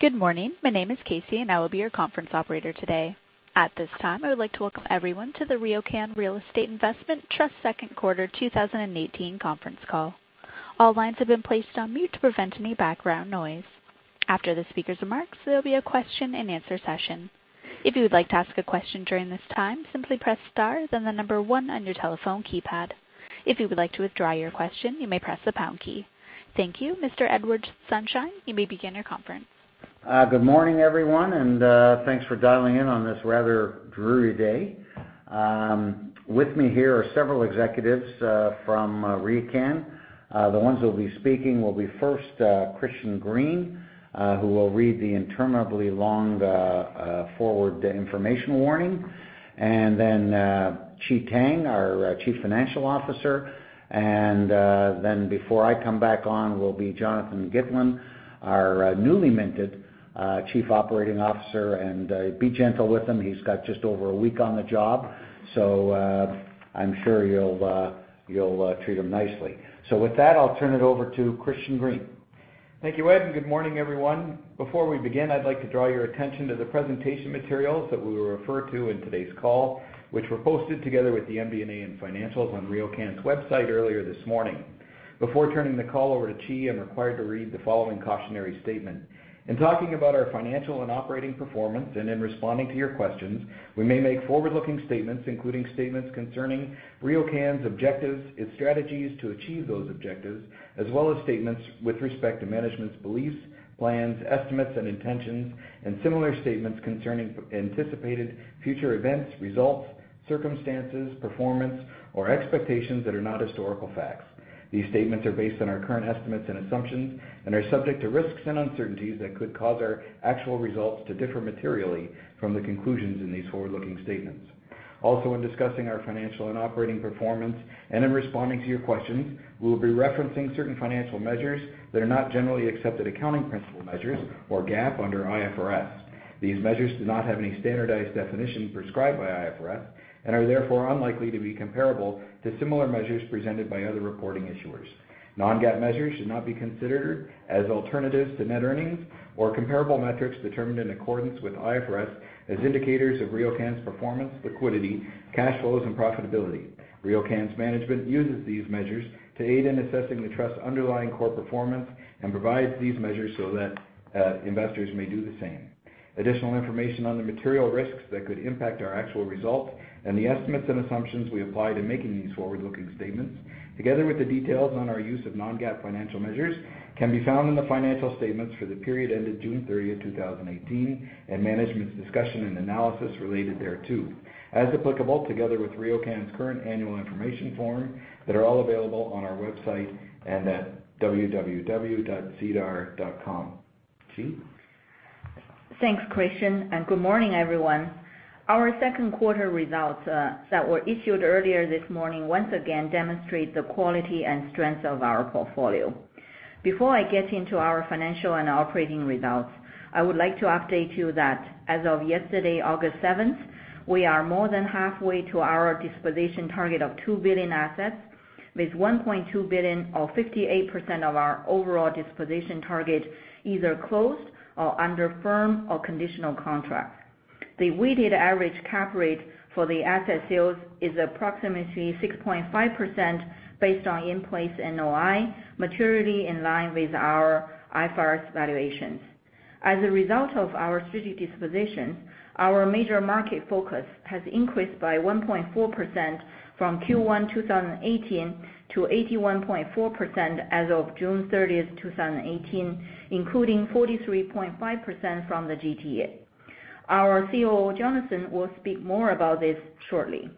Good morning. My name is Casey, I will be your conference operator today. At this time, I would like to welcome everyone to the RioCan Real Estate Investment Trust second quarter 2018 conference call. All lines have been placed on mute to prevent any background noise. After the speaker's remarks, there will be a question-and-answer session. If you would like to ask a question during this time, simply press star, then the number one on your telephone keypad. If you would like to withdraw your question, you may press the pound key. Thank you. Mr. Ed Sonshine, you may begin your conference. Good morning, everyone, thanks for dialing in on this rather dreary day. With me here are several executives from RioCan. The ones who will be speaking will be first, Christian Green, who will read the interminably long forward information warning. Then Qi Tang, our Chief Financial Officer. Then before I come back on, will be Jonathan Gitlin, our newly minted Chief Operating Officer. Be gentle with him, he's got just over a week on the job. I'm sure you'll treat him nicely. With that, I'll turn it over to Christian Green. Thank you, Ed, good morning, everyone. Before we begin, I'd like to draw your attention to the presentation materials that we will refer to in today's call, which were posted together with the MD&A and financials on RioCan's website earlier this morning. Before turning the call over to Qi, I'm required to read the following cautionary statement. In talking about our financial and operating performance and in responding to your questions, we may make forward-looking statements, including statements concerning RioCan's objectives, its strategies to achieve those objectives, as well as statements with respect to management's beliefs, plans, estimates, and intentions, and similar statements concerning anticipated future events, results, circumstances, performance, or expectations that are not historical facts. These statements are based on our current estimates and assumptions and are subject to risks and uncertainties that could cause our actual results to differ materially from the conclusions in these forward-looking statements. In discussing our financial and operating performance and in responding to your questions, we will be referencing certain financial measures that are not generally accepted accounting principle measures, or GAAP under IFRS. These measures do not have any standardized definition prescribed by IFRS and are therefore unlikely to be comparable to similar measures presented by other reporting issuers. Non-GAAP measures should not be considered as alternatives to net earnings or comparable metrics determined in accordance with IFRS as indicators of RioCan's performance, liquidity, cash flows, and profitability. RioCan's management uses these measures to aid in assessing the trust's underlying core performance and provides these measures so that investors may do the same. Additional information on the material risks that could impact our actual results and the estimates and assumptions we apply to making these forward-looking statements, together with the details on our use of non-GAAP financial measures, can be found in the financial statements for the period ended June 30, 2018, and management's discussion and analysis related thereto. As applicable, together with RioCan's current annual information form that are all available on our website and at www.sedar.com. Qi. Thanks, Christian, and good morning, everyone. Our second quarter results that were issued earlier this morning once again demonstrate the quality and strength of our portfolio. Before I get into our financial and operating results, I would like to update you that as of yesterday, August 7th, we are more than halfway to our disposition target of 2 billion assets with 1.2 billion or 58% of our overall disposition target either closed or under firm or conditional contract. The weighted average cap rate for the asset sales is approximately 6.5% based on in-place NOI, materially in line with our IFRS valuations. As a result of our strategic dispositions, our major market focus has increased by 1.4% from Q1 2018 to 81.4% as of June 30th, 2018, including 43.5% from the GTA. Our COO, Jonathan, will speak more about this shortly.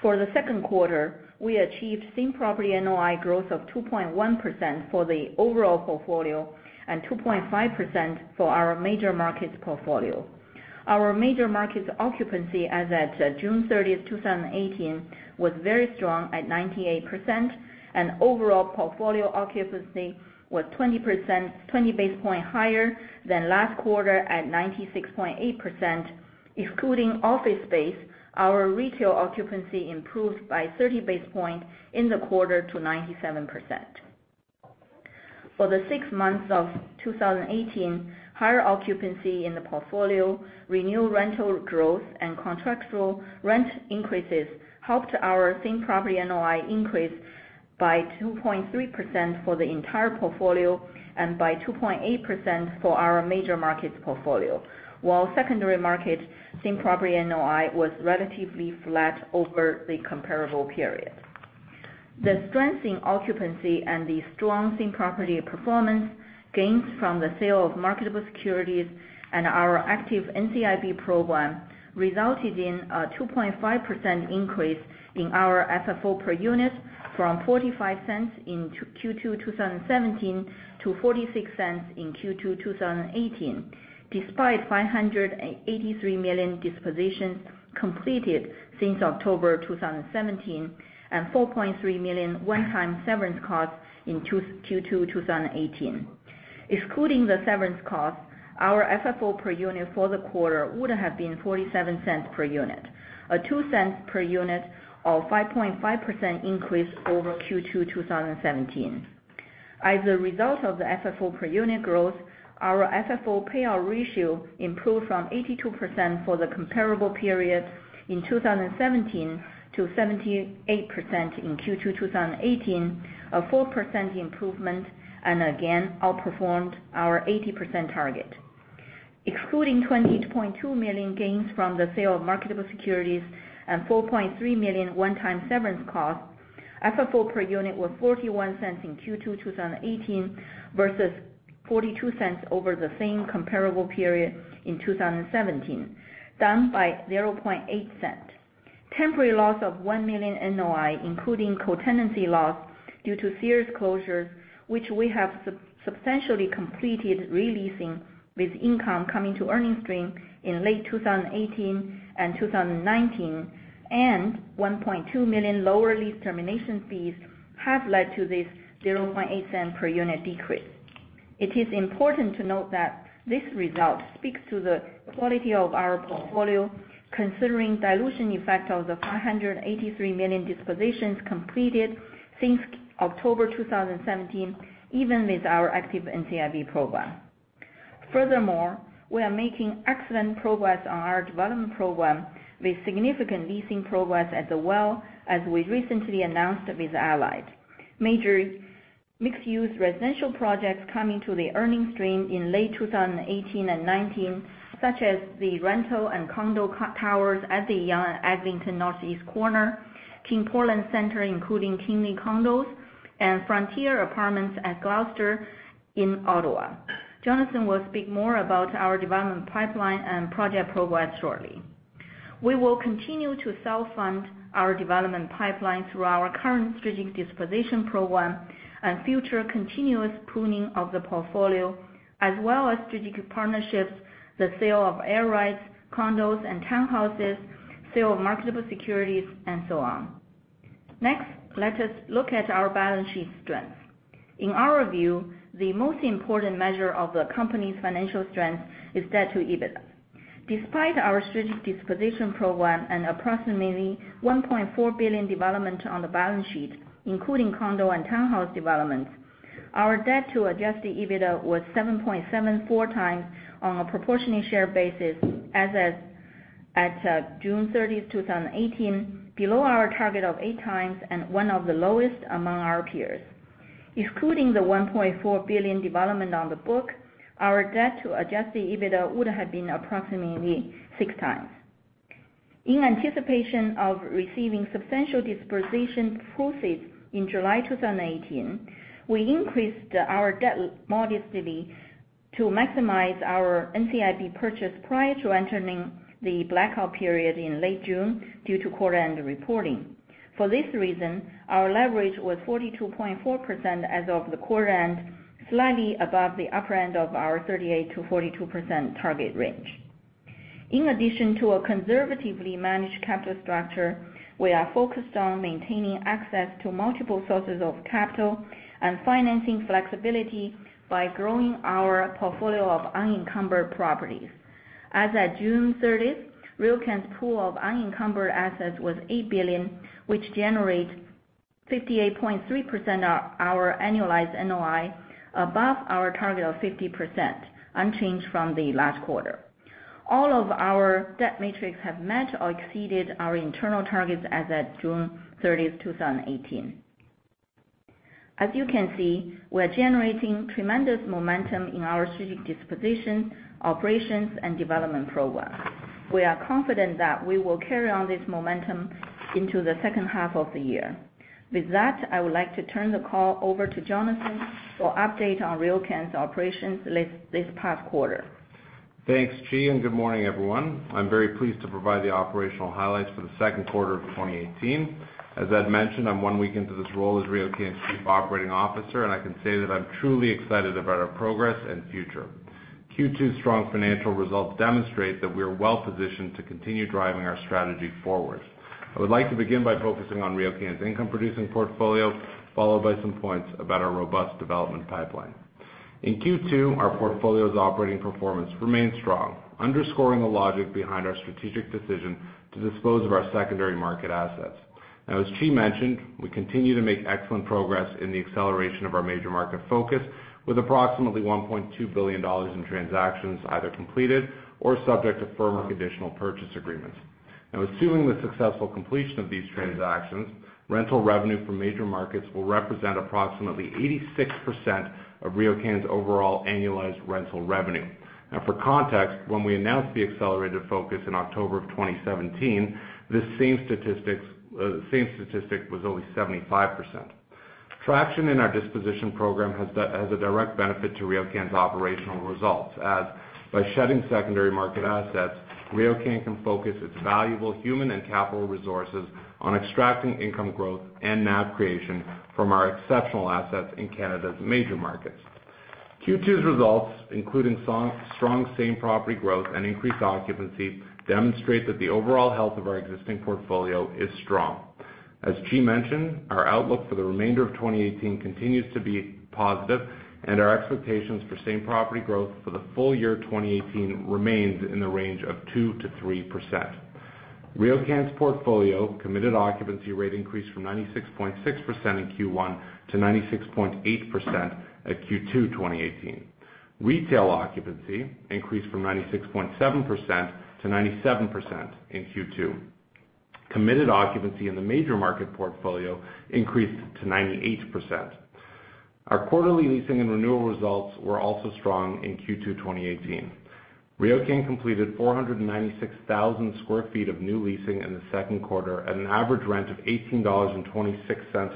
For the second quarter, we achieved same property NOI growth of 2.1% for the overall portfolio and 2.5% for our major markets portfolio. Our major markets occupancy as at June 30th, 2018, was very strong at 98%, and overall portfolio occupancy was 20 basis points higher than last quarter at 96.8%, including office space, our retail occupancy improved by 30 basis points in the quarter to 97%. For the six months of 2018, higher occupancy in the portfolio, renewed rental growth, and contractual rent increases helped our same property NOI increase by 2.3% for the entire portfolio and by 2.8% for our major markets portfolio. While secondary markets same property NOI was relatively flat over the comparable period. The strengthening occupancy and the strong same-property performance gains from the sale of marketable securities and our active NCIB program resulted in a 2.5% increase in our FFO per unit from 0.45 in Q2 2017 to 0.46 in Q2 2018, despite 583 million dispositions completed since October 2017 and 4.3 million one-time severance costs in Q2 2018. Excluding the severance cost, our FFO per unit for the quarter would have been 0.47 per unit, a 0.02 per unit or 5.5% increase over Q2 2017. As a result of the FFO per unit growth, our FFO payout ratio improved from 82% for the comparable period in 2017 to 78% in Q2 2018, a 4% improvement, and again, outperformed our 80% target. Excluding 28.2 million gains from the sale of marketable securities and 4.3 million one-time severance costs, FFO per unit was 0.41 in Q2 2018, versus 0.42 over the same comparable period in 2017, down by 0.008. Temporary loss of 1 million NOI, including co-tenancy loss due to Sears closure, which we have substantially completed re-leasing with income coming to earnings stream in late 2018 and 2019, and 1.2 million lower lease termination fees have led to this 0.008 per unit decrease. It is important to note that this result speaks to the quality of our portfolio, considering dilution effect of the 583 million dispositions completed since October 2017, even with our active NCIB program. Furthermore, we are making excellent progress on our development program, with significant leasing progress as well, as we recently announced with Allied. Major mixed-use residential projects coming to the earnings stream in late 2018 and 2019, such as the rental and condo towers at the Yonge and Eglinton northeast corner, King Portland Centre, including Kingly Condos, and Frontier Apartments at Gloucester in Ottawa. Jonathan will speak more about our development pipeline and project progress shortly. We will continue to self-fund our development pipeline through our current strategic disposition program and future continuous pruning of the portfolio, as well as strategic partnerships, the sale of air rights, condos and townhouses, sale of marketable securities, and so on. Next, let us look at our balance sheet strength. In our view, the most important measure of a company's financial strength is debt to EBITDA. Despite our strategic disposition program and approximately 1.4 billion development on the balance sheet, including condo and townhouse developments, our debt to adjusted EBITDA was 7.74 times on a proportionally share basis as at June 30th, 2018, below our target of eight times, and one of the lowest among our peers. Excluding the 1.4 billion development on the book, our debt to adjusted EBITDA would have been approximately six times. In anticipation of receiving substantial disposition proceeds in July 2018, we increased our debt modestly to maximize our NCIB purchase prior to entering the blackout period in late June due to quarter-end reporting. For this reason, our leverage was 42.4% as of the quarter end, slightly above the upper end of our 38%-42% target range. In addition to a conservatively managed capital structure, we are focused on maintaining access to multiple sources of capital and financing flexibility by growing our portfolio of unencumbered properties. As at June 30th, RioCan's pool of unencumbered assets was 8 billion, which generate 58.3% of our annualized NOI, above our target of 50%, unchanged from the last quarter. All of our debt metrics have met or exceeded our internal targets as at June 30th, 2018. As you can see, we're generating tremendous momentum in our strategic disposition, operations, and development programs. We are confident that we will carry on this momentum into the second half of the year. With that, I would like to turn the call over to Jonathan for update on RioCan's operations this past quarter. Thanks, Qi, and good morning, everyone. I'm very pleased to provide the operational highlights for the second quarter of 2018. As Ed mentioned, I'm one week into this role as RioCan's Chief Operating Officer, and I can say that I'm truly excited about our progress and future. Q2's strong financial results demonstrate that we're well-positioned to continue driving our strategy forward. I would like to begin by focusing on RioCan's income-producing portfolio, followed by some points about our robust development pipeline. In Q2, our portfolio's operating performance remained strong, underscoring the logic behind our strategic decision to dispose of our secondary market assets. As Qi mentioned, we continue to make excellent progress in the acceleration of our major market focus, with approximately 1.2 billion dollars in transactions either completed or subject to firm or conditional purchase agreements. Assuming the successful completion of these transactions, rental revenue from major markets will represent approximately 86% of RioCan's overall annualized rental revenue. For context, when we announced the accelerated focus in October of 2017, this same statistic was only 75%. Traction in our disposition program has a direct benefit to RioCan's operational results, as by shedding secondary market assets, RioCan can focus its valuable human and capital resources on extracting income growth and NAV creation from our exceptional assets in Canada's major markets. Q2's results, including strong same property growth and increased occupancy, demonstrate that the overall health of our existing portfolio is strong. As Qi mentioned, our outlook for the remainder of 2018 continues to be positive, and our expectations for same property growth for the full year 2018 remains in the range of 2%-3%. RioCan's portfolio committed occupancy rate increased from 96.6% in Q1 to 96.8% at Q2 2018. Retail occupancy increased from 96.7% to 97% in Q2. Committed occupancy in the major market portfolio increased to 98%. Our quarterly leasing and renewal results were also strong in Q2 2018. RioCan completed 496,000 sq ft of new leasing in the second quarter at an average rent of 18.26 dollars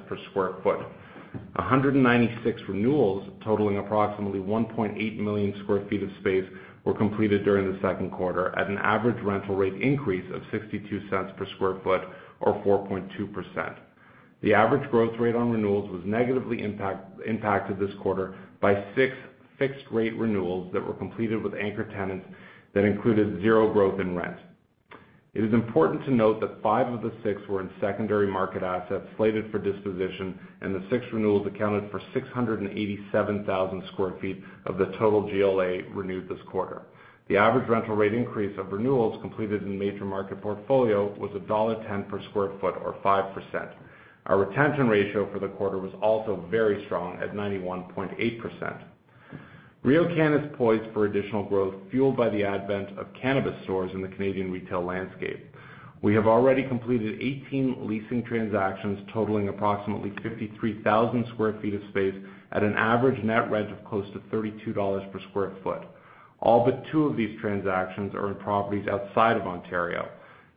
per sq ft. 196 renewals totaling approximately 1.8 million sq ft of space were completed during the second quarter at an average rental rate increase of 0.62 per sq ft or 4.2%. The average growth rate on renewals was negatively impacted this quarter by six fixed rate renewals that were completed with anchor tenants that included zero growth in rent. It is important to note that five of the six were in secondary market assets slated for disposition, and the six renewals accounted for 687,000 sq ft of the total GLA renewed this quarter. The average rental rate increase of renewals completed in the major market portfolio was dollar 1.10 per sq ft or 5%. Our retention ratio for the quarter was also very strong at 91.8%. RioCan is poised for additional growth, fueled by the advent of cannabis stores in the Canadian retail landscape. We have already completed 18 leasing transactions totaling approximately 53,000 sq ft of space at an average net rent of close to 32 dollars per sq ft. All but two of these transactions are in properties outside of Ontario.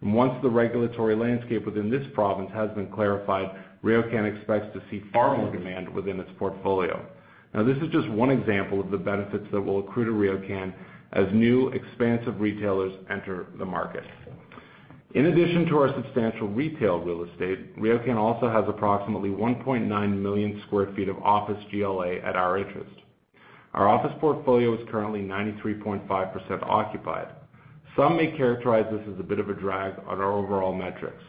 Once the regulatory landscape within this province has been clarified, RioCan expects to see far more demand within its portfolio. This is just one example of the benefits that will accrue to RioCan as new expansive retailers enter the market. In addition to our substantial retail real estate, RioCan also has approximately 1.9 million square feet of office GLA at our interest. Our office portfolio is currently 93.5% occupied. Some may characterize this as a bit of a drag on our overall metrics.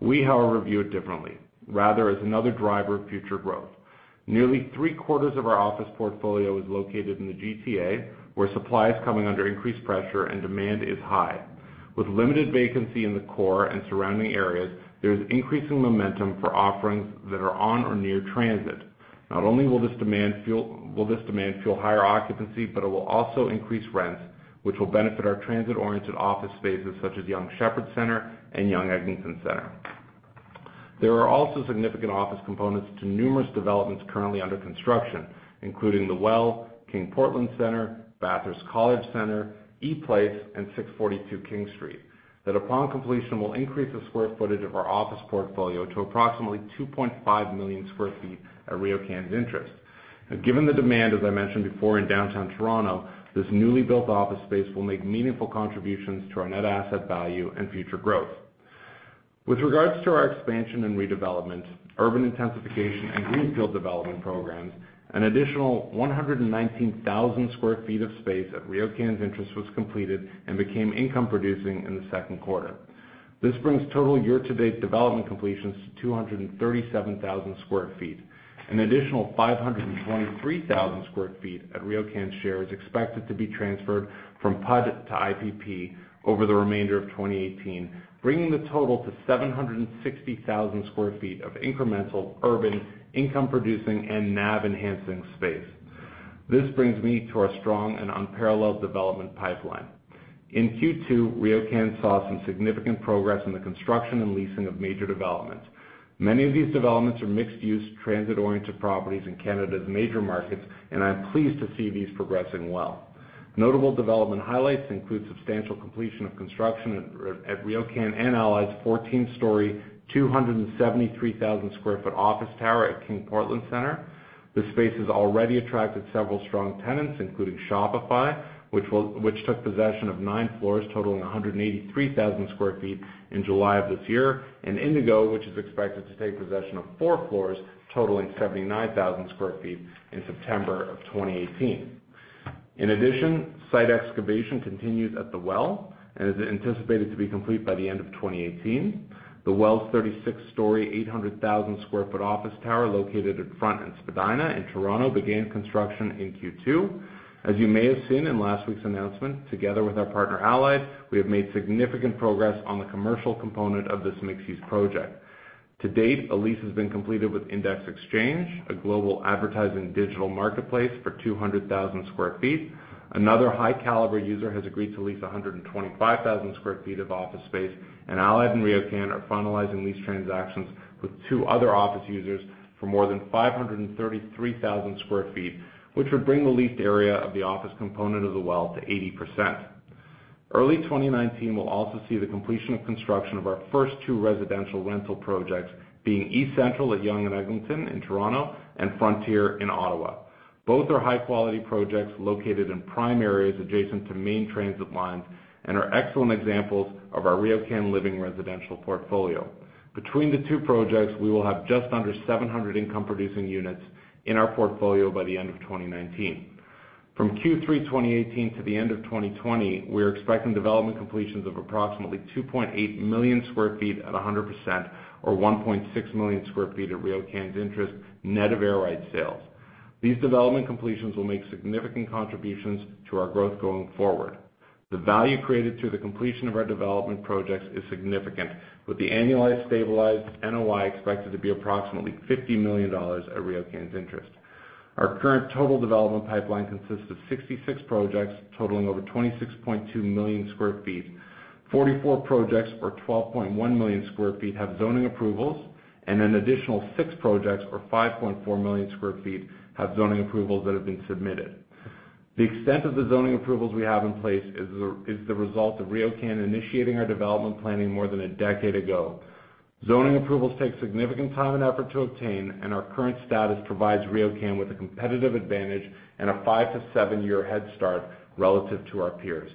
We, however, view it differently, rather as another driver of future growth. Nearly three-quarters of our office portfolio is located in the GTA, where supply is coming under increased pressure and demand is high. With limited vacancy in the core and surrounding areas, there is increasing momentum for offerings that are on or near transit. Not only will this demand fuel higher occupancy, but it will also increase rents, which will benefit our transit-oriented office spaces such as Yonge-Sheppard Centre and Yonge-Eglinton Centre. There are also significant office components to numerous developments currently under construction, including The Well, King Portland Centre, Bathurst College Centre, ePlace, and 642 King Street. That upon completion will increase the square footage of our office portfolio to approximately 2.5 million square feet at RioCan's interest. Given the demand, as I mentioned before in Downtown Toronto, this newly built office space will make meaningful contributions to our net asset value and future growth. With regards to our expansion and redevelopment, urban intensification, and greenfield development programs, an additional 119,000 square feet of space at RioCan's interest was completed and became income producing in the second quarter. This brings total year-to-date development completions to 237,000 square feet. An additional 523,000 square feet at RioCan's share is expected to be transferred from PUD to IPP over the remainder of 2018, bringing the total to 760,000 square feet of incremental urban income-producing and NAV-enhancing space. This brings me to our strong and unparalleled development pipeline. Q2, RioCan saw some significant progress in the construction and leasing of major developments. Many of these developments are mixed-use, transit-oriented properties in Canada's major markets, and I'm pleased to see these progressing well. Notable development highlights include substantial completion of construction at RioCan and Allied's 14-story, 273,000-square-foot office tower at King Portland Centre. This space has already attracted several strong tenants, including Shopify, which took possession of nine floors totaling 183,000 square feet in July of this year, and Indigo, which is expected to take possession of four floors totaling 79,000 square feet in September of 2018. In addition, site excavation continues at The Well and is anticipated to be complete by the end of 2018. The Well's 36-story, 800,000-square-foot office tower located at Front and Spadina in Toronto began construction in Q2. As you may have seen in last week's announcement, together with our partner, Allied, we have made significant progress on the commercial component of this mixed-use project. To date, a lease has been completed with Index Exchange, a global advertising digital marketplace for 200,000 square feet. Another high-caliber user has agreed to lease 125,000 square feet of office space, and Allied and RioCan are finalizing lease transactions with two other office users for more than 533,000 square feet, which would bring the leased area of the office component of The Well to 80%. Early 2019 will also see the completion of construction of our first two residential rental projects, being eCentral at Yonge and Eglinton in Toronto and Frontier in Ottawa. Both are high-quality projects located in prime areas adjacent to main transit lines and are excellent examples of our RioCan Living residential portfolio. Between the two projects, we will have just under 700 income-producing units in our portfolio by the end of 2019. From Q3 2018 to the end of 2020, we are expecting development completions of approximately 2.8 million sq ft at 100%, or 1.6 million sq ft at RioCan's interest net of air rights sales. These development completions will make significant contributions to our growth going forward. The value created through the completion of our development projects is significant, with the annualized stabilized NOI expected to be approximately 50 million dollars at RioCan's interest. Our current total development pipeline consists of 66 projects totaling over 26.2 million sq ft. 44 projects, or 12.1 million sq ft, have zoning approvals, and an additional six projects, or 5.4 million sq ft, have zoning approvals that have been submitted. The extent of the zoning approvals we have in place is the result of RioCan initiating our development planning more than a decade ago. Zoning approvals take significant time and effort to obtain, and our current status provides RioCan with a competitive advantage and a five- to seven-year head start relative to our peers.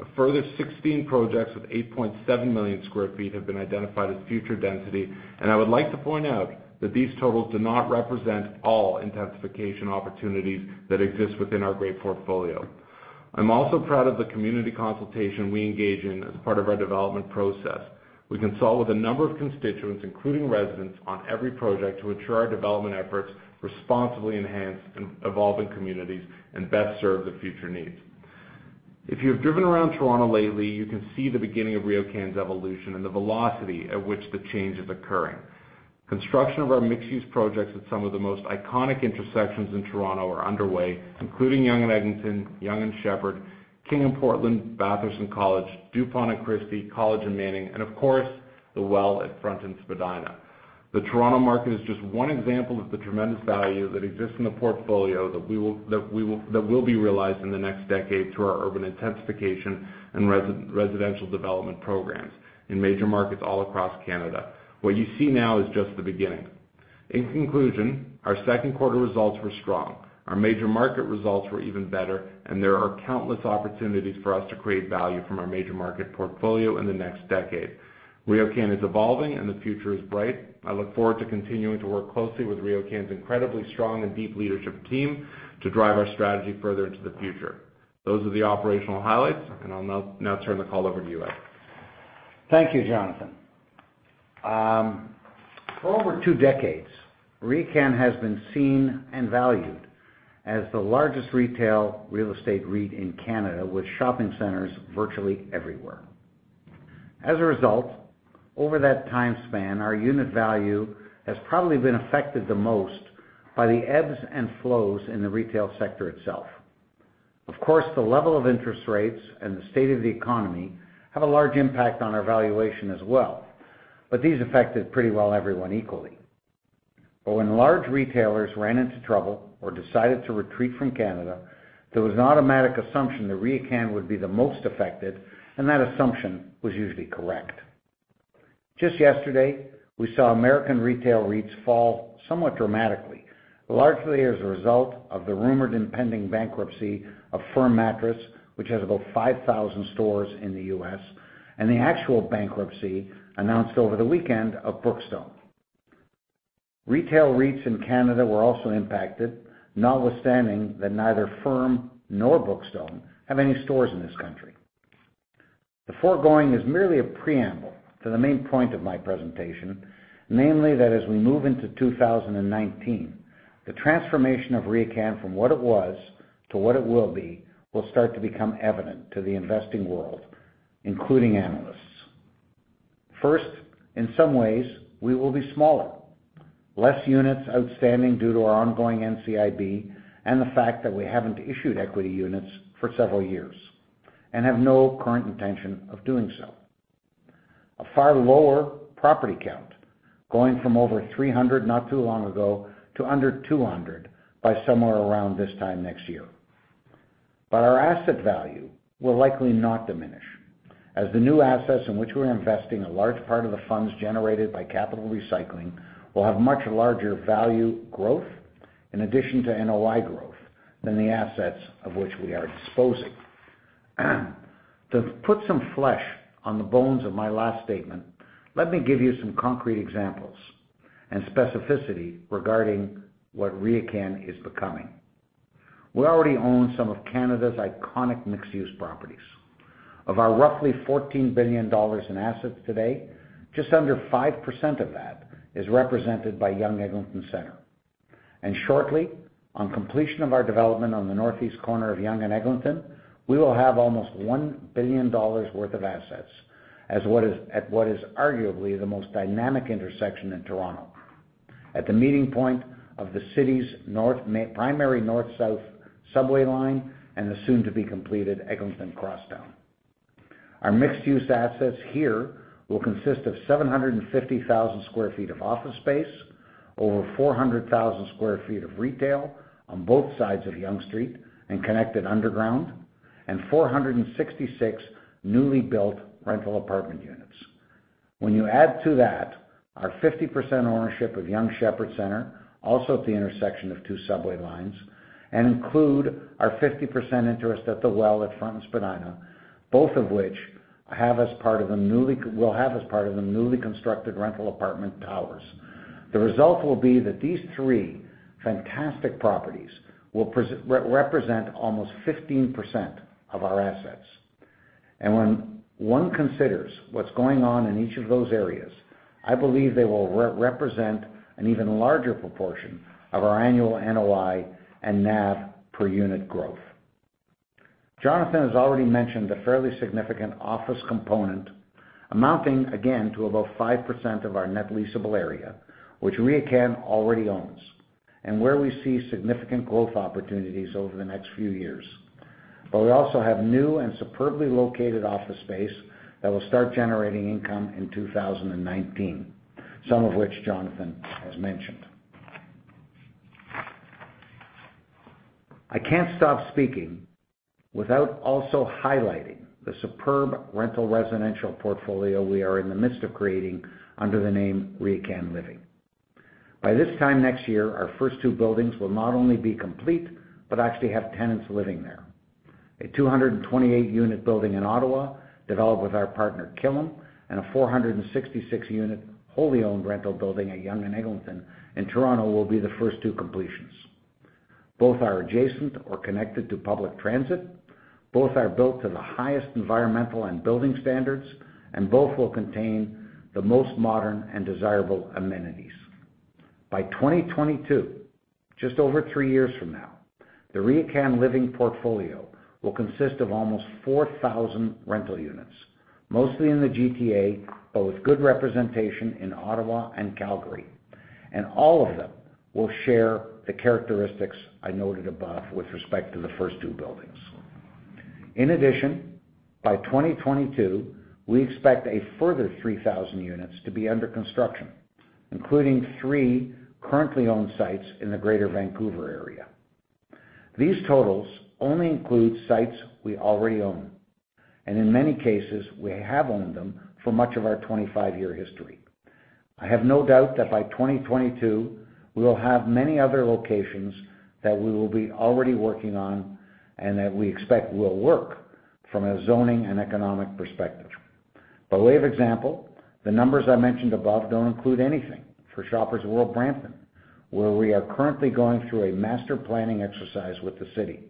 A further 16 projects, with 8.7 million sq ft, have been identified as future density. I would like to point out that these totals do not represent all intensification opportunities that exist within our great portfolio. I am also proud of the community consultation we engage in as part of our development process. We consult with a number of constituents, including residents, on every project to ensure our development efforts responsibly enhance and evolve in communities and best serve the future needs. If you have driven around Toronto lately, you can see the beginning of RioCan's evolution and the velocity at which the change is occurring. Construction of our mixed-use projects at some of the most iconic intersections in Toronto are underway, including Yonge and Eglinton, Yonge and Sheppard, King and Portland, Bathurst and College, Dupont and Christie, College and Manning, and of course, The Well at Front and Spadina. The Toronto market is just one example of the tremendous value that exists in the portfolio that will be realized in the next decade through our urban intensification and residential development programs in major markets all across Canada. What you see now is just the beginning. In conclusion, our second quarter results were strong. Our major market results were even better. There are countless opportunities for us to create value from our major market portfolio in the next decade. RioCan is evolving. The future is bright. I look forward to continuing to work closely with RioCan's incredibly strong and deep leadership team to drive our strategy further into the future. Those are the operational highlights. I'll now turn the call over to you, Ed. Thank you, Jonathan. For over two decades, RioCan has been seen and valued as the largest retail real estate REIT in Canada, with shopping centers virtually everywhere. As a result, over that time span, our unit value has probably been affected the most by the ebbs and flows in the retail sector itself. Of course, the level of interest rates and the state of the economy have a large impact on our valuation as well. These affected pretty well everyone equally. When large retailers ran into trouble or decided to retreat from Canada, there was an automatic assumption that RioCan would be the most affected, and that assumption was usually correct. Just yesterday, we saw American retail REITs fall somewhat dramatically, largely as a result of the rumored impending bankruptcy of Mattress Firm, which has about 5,000 stores in the U.S., and the actual bankruptcy announced over the weekend of Brookstone. Retail REITs in Canada were also impacted, notwithstanding that neither Firm nor Brookstone have any stores in this country. The foregoing is merely a preamble to the main point of my presentation, namely that as we move into 2019, the transformation of RioCan from what it was to what it will be, will start to become evident to the investing world, including analysts. First, in some ways, we will be smaller. Less units outstanding due to our ongoing NCIB and the fact that we haven't issued equity units for several years, and have no current intention of doing so. A far lower property count, going from over 300 not too long ago to under 200 by somewhere around this time next year. Our asset value will likely not diminish, as the new assets in which we're investing a large part of the funds generated by capital recycling will have much larger value growth in addition to NOI growth than the assets of which we are disposing. To put some flesh on the bones of my last statement, let me give you some concrete examples and specificity regarding what RioCan is becoming. We already own some of Canada's iconic mixed-use properties. Of our roughly 14 billion dollars in assets today, just under 5% of that is represented by Yonge-Eglinton Centre. Shortly, on completion of our development on the northeast corner of Yonge and Eglinton, we will have almost 1 billion dollars worth of assets at what is arguably the most dynamic intersection in Toronto, at the meeting point of the city's primary north-south subway line and the soon-to-be-completed Eglinton Crosstown. Our mixed-use assets here will consist of 750,000 sq ft of office space, over 400,000 sq ft of retail on both sides of Yonge Street and connected underground, and 466 newly built rental apartment units. When you add to that our 50% ownership of Yonge-Sheppard Centre, also at the intersection of two subway lines, and include our 50% interest at The Well at Front and Spadina, both of which will have as part of them newly constructed rental apartment towers. The result will be that these three fantastic properties will represent almost 15% of our assets. When one considers what's going on in each of those areas, I believe they will represent an even larger proportion of our annual NOI and NAV per unit growth. Jonathan has already mentioned the fairly significant office component amounting, again, to about 5% of our net leasable area, which RioCan already owns, and where we see significant growth opportunities over the next few years. We also have new and superbly located office space that will start generating income in 2019, some of which Jonathan has mentioned. I can't stop speaking without also highlighting the superb rental residential portfolio we are in the midst of creating under the name RioCan Living. By this time next year, our first two buildings will not only be complete, but actually have tenants living there. A 228-unit building in Ottawa, developed with our partner Killam, and a 466-unit wholly-owned rental building at Yonge and Eglinton in Toronto will be the first two completions. Both are adjacent or connected to public transit, both are built to the highest environmental and building standards, and both will contain the most modern and desirable amenities. By 2022, just over three years from now, the RioCan Living portfolio will consist of almost 4,000 rental units, mostly in the GTA, but with good representation in Ottawa and Calgary. All of them will share the characteristics I noted above with respect to the first two buildings. In addition, by 2022, we expect a further 3,000 units to be under construction, including three currently owned sites in the greater Vancouver area. These totals only include sites we already own, and in many cases, we have owned them for much of our 25-year history. I have no doubt that by 2022, we will have many other locations that we will be already working on and that we expect will work from a zoning and economic perspective. By way of example, the numbers I mentioned above don't include anything for Shoppers World Brampton, where we are currently going through a master planning exercise with the city.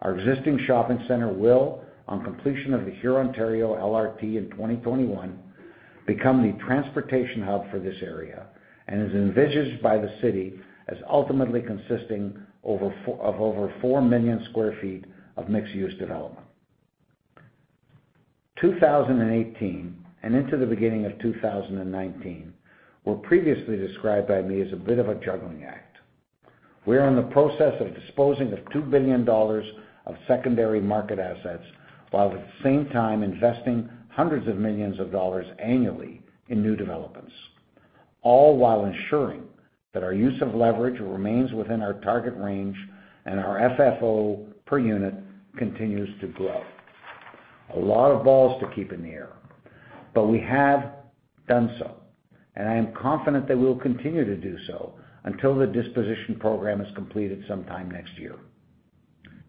Our existing shopping center will, on completion of the Hurontario LRT in 2021, become the transportation hub for this area and is envisioned by the city as ultimately consisting of over 4 million sq ft of mixed-use development. 2018 and into the beginning of 2019 were previously described by me as a bit of a juggling act. We're in the process of disposing of 2 billion dollars of secondary market assets, while at the same time investing hundreds of millions of CAD annually in new developments, all while ensuring that our use of leverage remains within our target range and our FFO per unit continues to grow. A lot of balls to keep in the air. We have done so, and I am confident that we will continue to do so until the disposition program is completed sometime next year.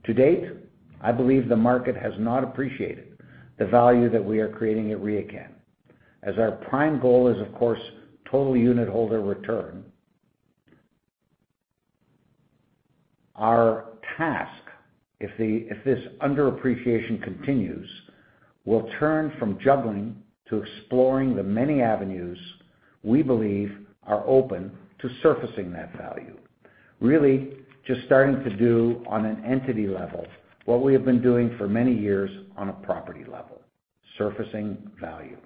To date, I believe the market has not appreciated the value that we are creating at RioCan. As our prime goal is, of course, total unit holder return, our task, if this underappreciation continues, will turn from juggling to exploring the many avenues we believe are open to surfacing that value. Really just starting to do on an entity level what we have been doing for many years on a property level, surfacing value.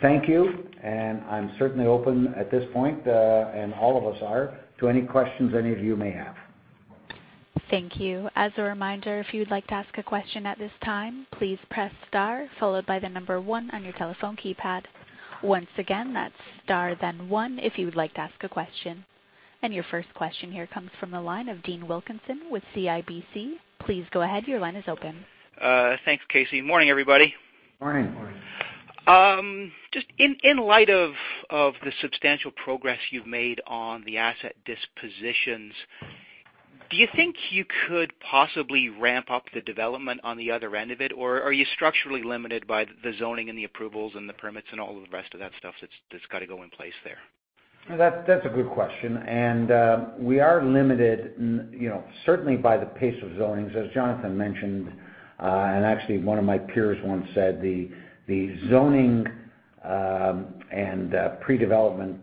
Thank you, and I'm certainly open at this point, and all of us are, to any questions any of you may have. Thank you. As a reminder, if you'd like to ask a question at this time, please press star followed by the number one on your telephone keypad. Once again, that's star then one if you would like to ask a question. Your first question here comes from the line of Dean Wilkinson with CIBC. Please go ahead, your line is open. Thanks, Casey. Morning, everybody. Morning. Morning. Just in light of the substantial progress you've made on the asset dispositions, do you think you could possibly ramp up the development on the other end of it? Are you structurally limited by the zoning and the approvals and the permits and all of the rest of that stuff that's got to go in place there? That's a good question. We are limited, certainly by the pace of zonings. As Jonathan mentioned, and actually one of my peers once said, the zoning and pre-development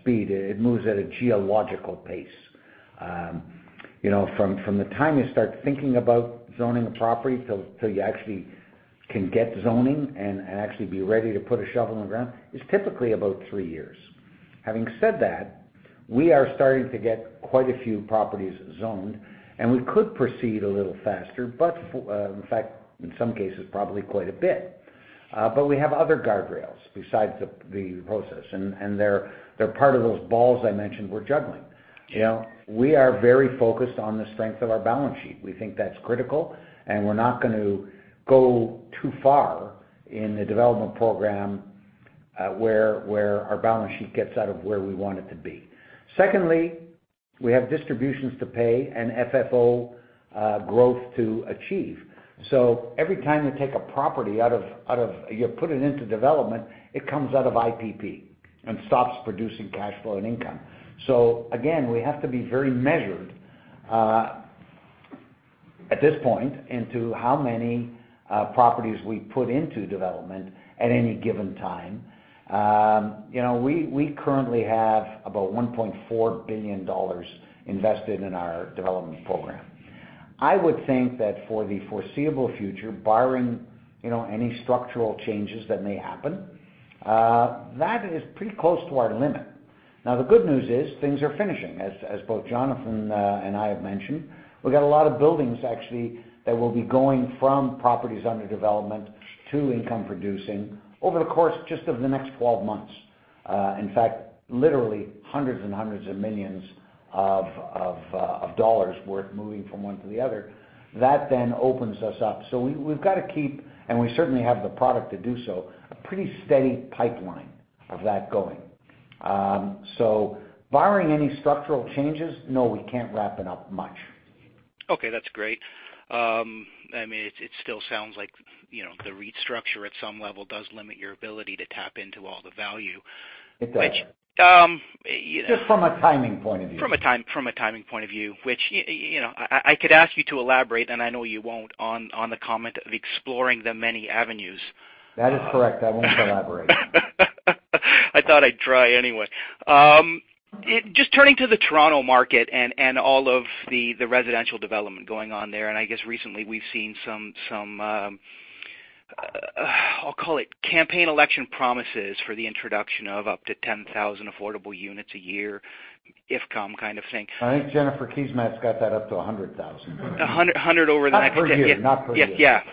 speed, it moves at a geological pace. From the time you start thinking about zoning a property till you actually can get zoning and actually be ready to put a shovel in the ground, is typically about three years. Having said that, we are starting to get quite a few properties zoned, and we could proceed a little faster. In fact, in some cases, probably quite a bit. We have other guardrails besides the process, and they're part of those balls I mentioned we're juggling. We are very focused on the strength of our balance sheet. We think that's critical, and we're not going to go too far in the development program, where our balance sheet gets out of where we want it to be. Secondly, we have distributions to pay and FFO growth to achieve. Every time you put it into development, it comes out of IPP and stops producing cash flow and income. Again, we have to be very measured at this point, into how many properties we put into development at any given time. We currently have about 1.4 billion dollars invested in our development program. I would think that for the foreseeable future, barring any structural changes that may happen, that is pretty close to our limit. The good news is things are finishing, as both Jonathan and I have mentioned. We've got a lot of buildings, actually, that will be going from properties under development to income-producing over the course just of the next 12 months. In fact, literally hundreds and hundreds of millions of CAD worth moving from one to the other. We've got to keep, and we certainly have the product to do so, a pretty steady pipeline of that going. Barring any structural changes, no, we can't ramp it up much. Okay, that's great. It still sounds like the restructure at some level does limit your ability to tap into all the value. It does. Which- From a timing point of view. From a timing point of view, which I could ask you to elaborate, and I know you won't, on the comment of exploring the many avenues. That is correct. I won't elaborate. I thought I'd try anyway. Just turning to the Toronto market and all of the residential development going on there, I guess recently we've seen some, I'll call it campaign election promises for the introduction of up to 10,000 affordable units a year, if come kind of thing. I think Jennifer Keesmaat's got that up to 100,000. 100. Not per year. Yes.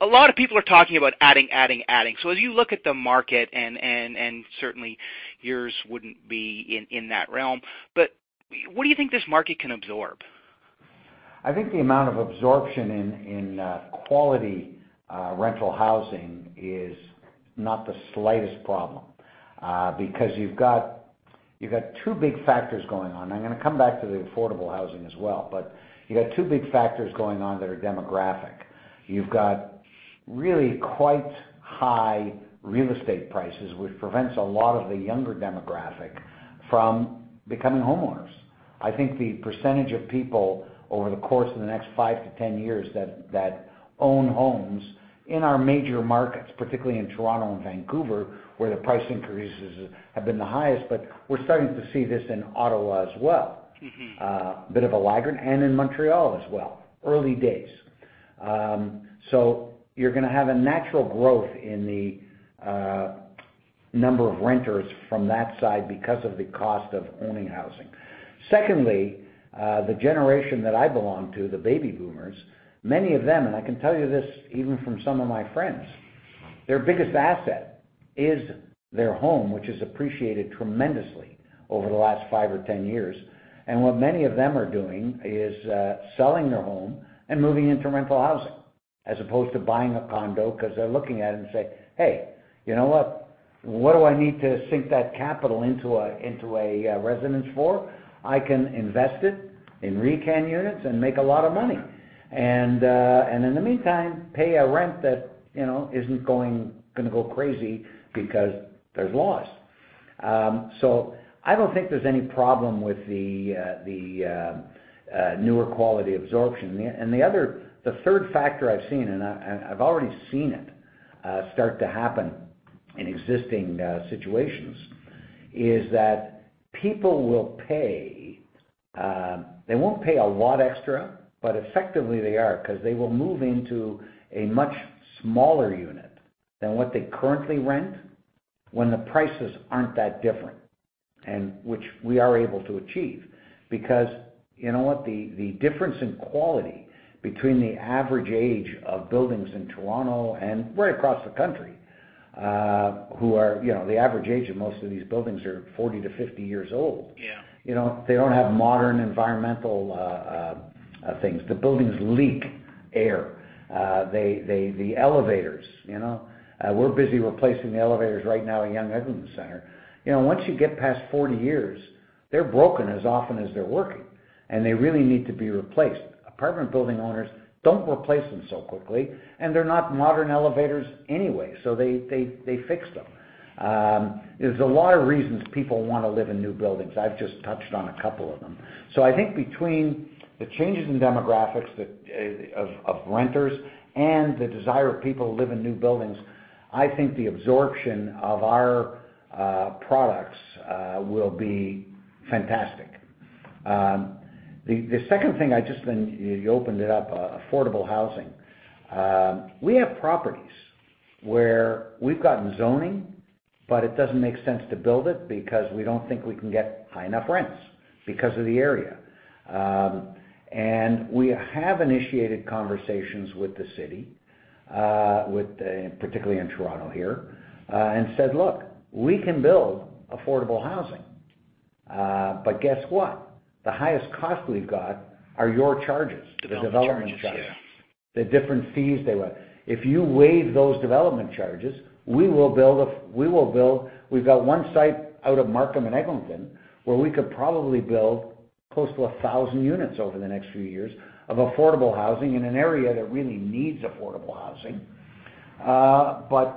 A lot of people are talking about adding. As you look at the market, and certainly yours wouldn't be in that realm, but what do you think this market can absorb? I think the amount of absorption in quality rental housing is not the slightest problem, because you've got two big factors going on. I'm going to come back to the affordable housing as well, but you got two big factors going on that are demographic. You've got really quite high real estate prices, which prevents a lot of the younger demographic from becoming homeowners. I think the percentage of people over the course of the next five to 10 years that own homes in our major markets, particularly in Toronto and Vancouver, where the price increases have been the highest. We're starting to see this in Ottawa as well. A bit of a lagger. In Montreal as well. Early days. You're going to have a natural growth in the number of renters from that side because of the cost of owning housing. Secondly, the generation that I belong to, the baby boomers, many of them, and I can tell you this even from some of my friends, their biggest asset is their home, which has appreciated tremendously over the last five or 10 years. What many of them are doing is selling their home and moving into rental housing, as opposed to buying a condo, because they're looking at it and say, "Hey, you know what? What do I need to sink that capital into a residence for? I can invest it in RioCan units and make a lot of money. In the meantime, pay a rent that isn't going to go crazy because there's laws." I don't think there's any problem with the newer quality absorption. The third factor I've seen, and I've already seen it start to happen in existing situations, is that people will pay. They won't pay a lot extra, but effectively they are, because they will move into a much smaller unit than what they currently rent when the prices aren't that different, and which we are able to achieve. Because you know what? The difference in quality between the average age of buildings in Toronto and right across the country, the average age of most of these buildings are 40 to 50 years old. Yeah. They don't have modern environmental things. The buildings leak air. The elevators. We're busy replacing the elevators right now in Yonge-Eglinton Centre. Once you get past 40 years, they're broken as often as they're working, and they really need to be replaced. Apartment building owners don't replace them so quickly, and they're not modern elevators anyway, so they fix them. There's a lot of reasons people want to live in new buildings. I've just touched on a couple of them. I think between the changes in demographics of renters and the desire of people to live in new buildings, I think the absorption of our products will be fantastic. The second thing you opened it up, affordable housing. We have properties where we've gotten zoning, but it doesn't make sense to build it because we don't think we can get high enough rents because of the area. We have initiated conversations with the city, particularly in Toronto here, and said, "Look, we can build affordable housing. But guess what? The highest cost we've got are your charges. Development charges, yeah. The development charges. The different fees. If you waive those development charges, we will build We've got one site out of Markham and Eglinton where we could probably build close to 1,000 units over the next few years of affordable housing in an area that really needs affordable housing.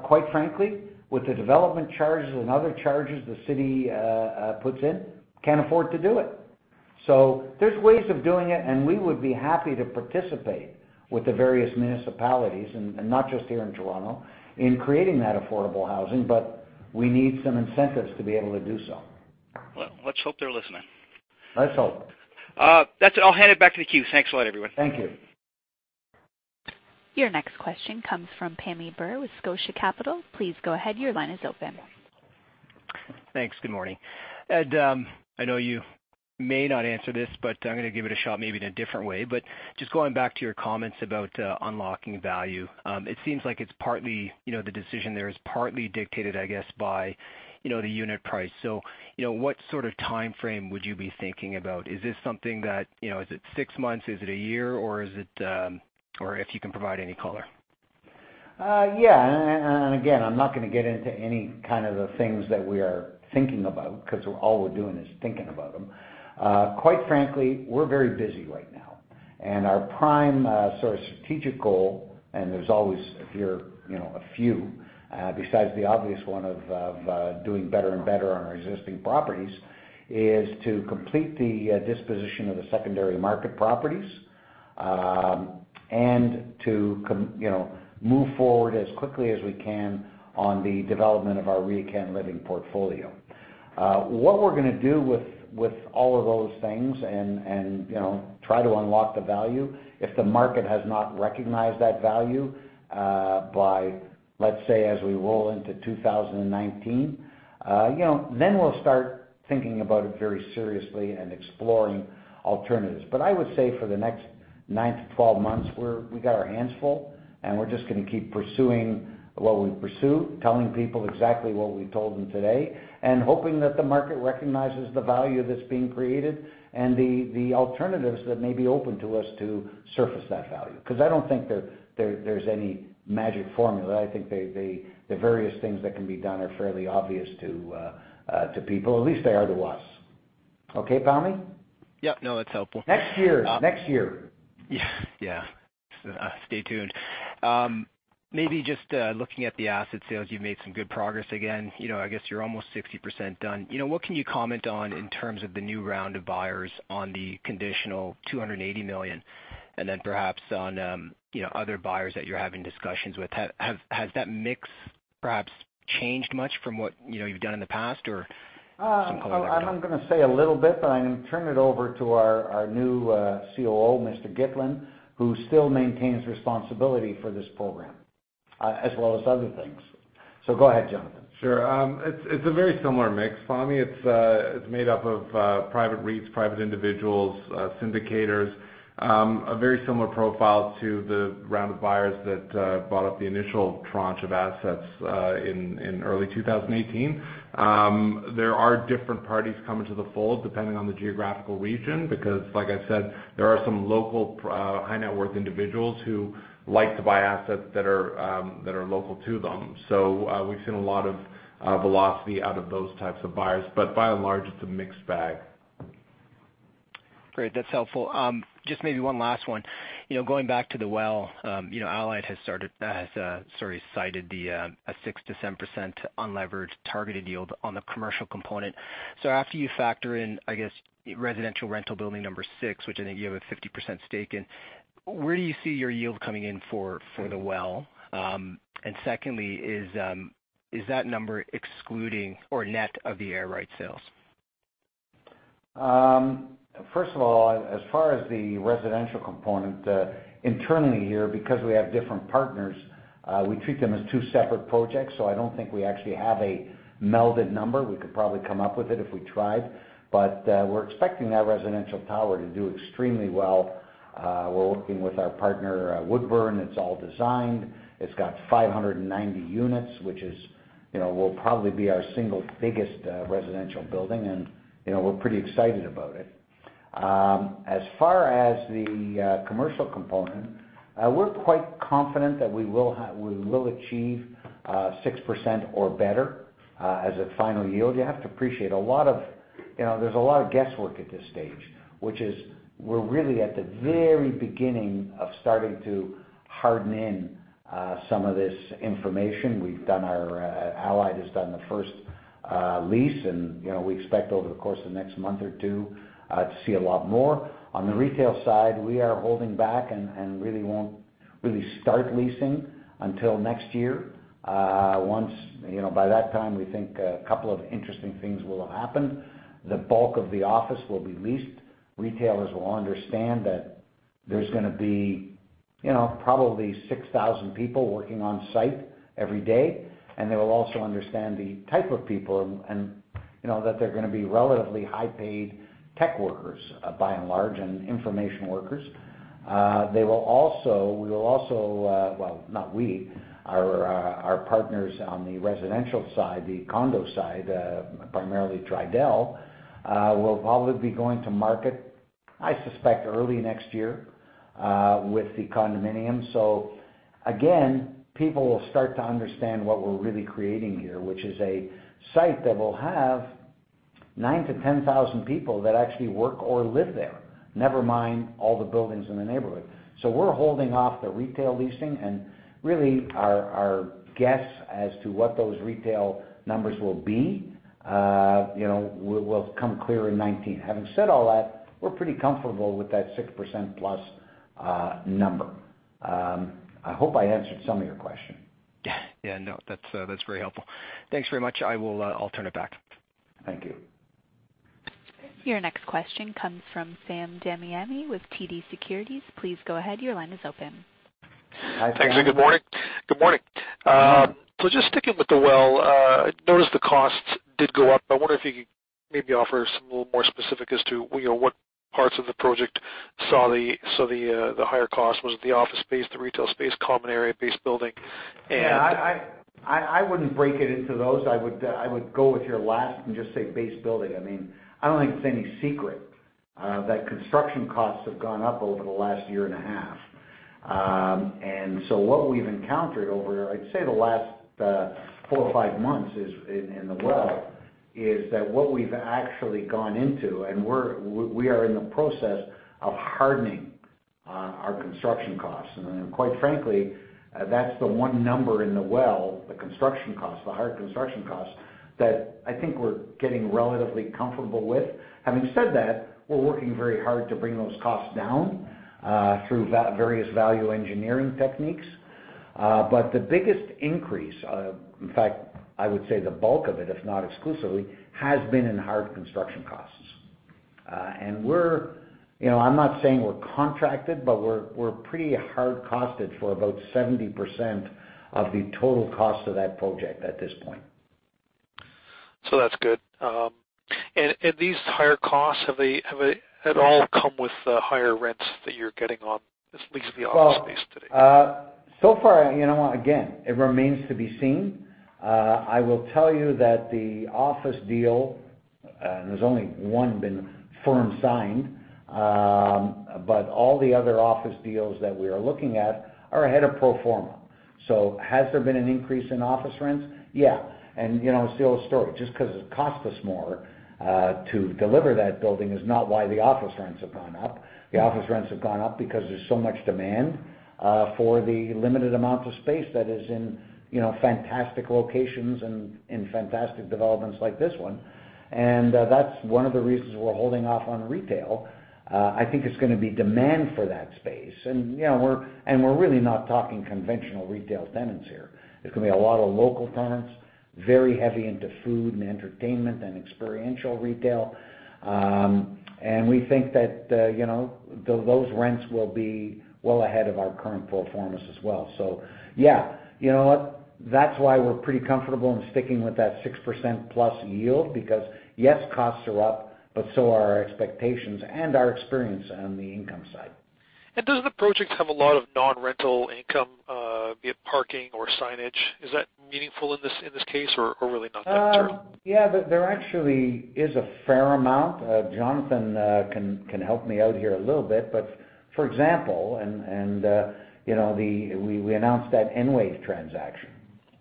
Quite frankly, with the development charges and other charges the city puts in, can't afford to do it. There's ways of doing it, and we would be happy to participate with the various municipalities, and not just here in Toronto, in creating that affordable housing, but we need some incentives to be able to do so. Well, let's hope they're listening. Let's hope. That's it. I'll hand it back to the queue. Thanks a lot, everyone. Thank you. Your next question comes from Pammi Bir with Scotia Capital. Please go ahead. Your line is open. Thanks. Good morning. Ed, I know you may not answer this, but I'm going to give it a shot, maybe in a different way. Just going back to your comments about unlocking value, it seems like the decision there is partly dictated, I guess, by the unit price. What sort of timeframe would you be thinking about? Is it six months? Is it a year? If you can provide any color. Yeah. Again, I'm not going to get into any kind of the things that we are thinking about, because all we're doing is thinking about them. Quite frankly, we're very busy right now, and our prime sort of strategic goal, and there's always a few, besides the obvious one of doing better and better on our existing properties, is to complete the disposition of the secondary market properties. To move forward as quickly as we can on the development of our RioCan Living portfolio. What we're going to do with all of those things and try to unlock the value, if the market has not recognized that value, by, let's say, as we roll into 2019, we'll start thinking about it very seriously and exploring alternatives. I would say for the next nine to 12 months, we got our hands full, we're just going to keep pursuing what we pursue, telling people exactly what we told them today and hoping that the market recognizes the value that's being created and the alternatives that may be open to us to surface that value. I don't think there's any magic formula. I think the various things that can be done are fairly obvious to people. At least they are to us. Okay, Pammi? Yep. No, that's helpful. Next year. Yeah. Stay tuned. Maybe just looking at the asset sales, you've made some good progress again. I guess you're almost 60% done. What can you comment on in terms of the new round of buyers on the conditional 280 million, and then perhaps on other buyers that you're having discussions with? Has that mix perhaps changed much from what you've done in the past? Some color there. I'm going to say a little bit, but I'm going to turn it over to our new COO, Mr. Gitlin, who still maintains responsibility for this program, as well as other things. Go ahead, Jonathan. Sure. It's a very similar mix, Pammi. It's made up of private REITs, private individuals, syndicators. A very similar profile to the round of buyers that bought up the initial tranche of assets in early 2018. There are different parties coming to the fold, depending on the geographical region, because like I said, there are some local high-net-worth individuals who like to buy assets that are local to them. We've seen a lot of velocity out of those types of buyers, but by and large, it's a mixed bag. Great. That's helpful. Just maybe one last one. Going back to The Well. Allied has sorry, cited a 6%-10% unlevered targeted yield on the commercial component. So after you factor in, I guess, residential rental building number 6, which I think you have a 50% stake in, where do you see your yield coming in for The Well? Secondly, is that number excluding or net of the air rights sales? First of all, as far as the residential component, internally here, because we have different partners, we treat them as two separate projects. I don't think we actually have a melded number. We could probably come up with it if we tried. We're expecting that residential tower to do extremely well. We're working with our partner, Woodbourne. It's all designed. It's got 590 units, which will probably be our single biggest residential building, and we're pretty excited about it. As far as the commercial component, we're quite confident that we will achieve 6% or better as a final yield. You have to appreciate, there's a lot of guesswork at this stage, which is we're really at the very beginning of starting to harden in some of this information. Allied has done the first lease. We expect over the course of the next month or two to see a lot more. On the retail side, we are holding back and really won't really start leasing until next year. By that time, we think a couple of interesting things will happen. The bulk of the office will be leased. Retailers will understand that there's going to be probably 6,000 people working on site every day, and they will also understand the type of people, and that they're going to be relatively high-paid tech workers, by and large, and information workers. well, not we, our partners on the residential side, the condo side, primarily Tridel, will probably be going to market, I suspect, early next year, with the condominium. Again, people will start to understand what we're really creating here, which is a site that will have 9,000 to 10,000 people that actually work or live there, never mind all the buildings in the neighborhood. We're holding off the retail leasing and really our guess as to what those retail numbers will be, will come clear in 2019. Having said all that, we're pretty comfortable with that 6% plus number. I hope I answered some of your question. Yeah. No, that's very helpful. Thanks very much. I'll turn it back. Thank you. Your next question comes from Sam Damiani with TD Securities. Please go ahead. Your line is open. Hi, Sam. Thanks. Good morning. Just sticking with The Well, I noticed the costs did go up. I wonder if you could maybe offer us a little more specific as to what parts of the project saw the higher cost. Was it the office space, the retail space, common area, base building? Yeah, I wouldn't break it into those. I would go with your last and just say base building. I don't think it's any secret that construction costs have gone up over the last year and a half. What we've encountered over, I'd say the last four or five months in The Well, is that what we've actually gone into, and we are in the process of hardening our construction costs. Quite frankly, that's the one number in The Well, the construction cost, the higher construction cost, that I think we're getting relatively comfortable with. Having said that, we're working very hard to bring those costs down, through various value engineering techniques. The biggest increase, in fact, I would say the bulk of it, if not exclusively, has been in hard construction costs. I'm not saying we're contracted, but we're pretty hard costed for about 70% of the total cost of that project at this point. That's good. These higher costs, have they at all come with higher rents that you're getting on at least the office space today? Far, again, it remains to be seen. I will tell you that the office deal, there's only one been firm signed, but all the other office deals that we are looking at are ahead of pro forma. Has there been an increase in office rents? Yeah. It's the old story. Just because it costs us more, to deliver that building is not why the office rents have gone up. The office rents have gone up because there's so much demand for the limited amounts of space that is in fantastic locations and in fantastic developments like this one. That's one of the reasons we're holding off on retail. I think there's going to be demand for that space. We're really not talking conventional retail tenants here. There's going to be a lot of local tenants, very heavy into food and entertainment and experiential retail. We think that those rents will be well ahead of our current pro formas as well. Yeah. You know what? That's why we're pretty comfortable in sticking with that 6% plus yield because yes, costs are up, but so are our expectations and our experience on the income side. Does the project have a lot of non-rental income, be it parking or signage? Is that meaningful in this case or really not that material? Yeah. There actually is a fair amount. Jonathan can help me out here a little bit. For example, we announced that Enwave transaction,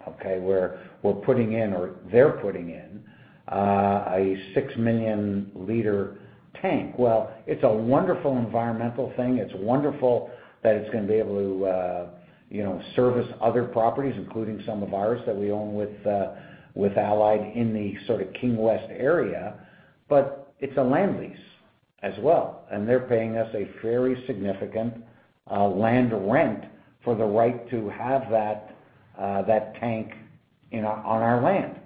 okay, where we're putting in or they're putting in a 6 million liter tank. Well, it's a wonderful environmental thing. It's wonderful that it's going to be able to service other properties, including some of ours that we own with Allied in the sort of King West area. It's a land lease as well, and they're paying us a very significant land rent for the right to have that tank on our land.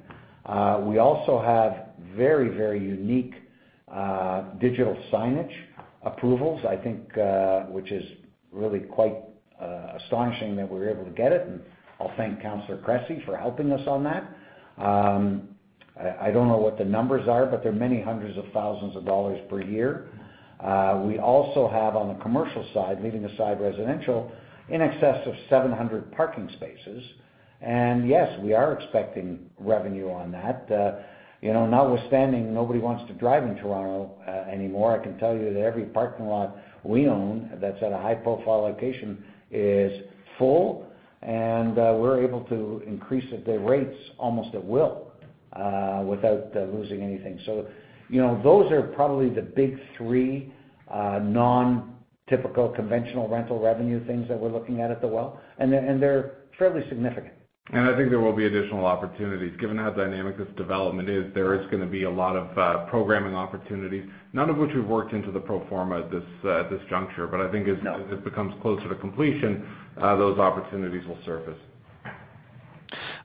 We also have very unique digital signage approvals, I think, which is really quite astonishing that we were able to get it. I'll thank Councillor Cressy for helping us on that. I don't know what the numbers are, but they're many hundreds of thousands of CAD per year. We also have on the commercial side, leaving aside residential, in excess of 700 parking spaces. Yes, we are expecting revenue on that. Notwithstanding, nobody wants to drive in Toronto anymore. I can tell you that every parking lot we own that's at a high-profile location is full, and we're able to increase the rates almost at will, without losing anything. Those are probably the big three, non-typical conventional rental revenue things that we're looking at at The Well, and they're fairly significant. I think there will be additional opportunities. Given how dynamic this development is, there is going to be a lot of programming opportunities, none of which we've worked into the pro forma at this juncture. I think as it becomes closer to completion, those opportunities will surface.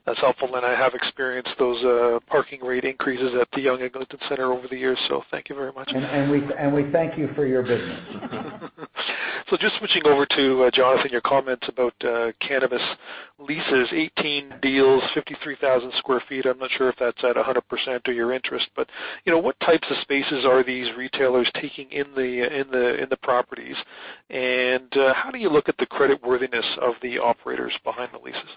That's helpful. I have experienced those parking rate increases at the Yonge-Eglinton Centre over the years. Thank you very much. We thank you for your business. Just switching over to, Jonathan, your comments about cannabis leases, 18 deals, 53,000 sq ft. I am not sure if that is at 100% of your interest, but what types of spaces are these retailers taking in the properties? How do you look at the creditworthiness of the operators behind the leases?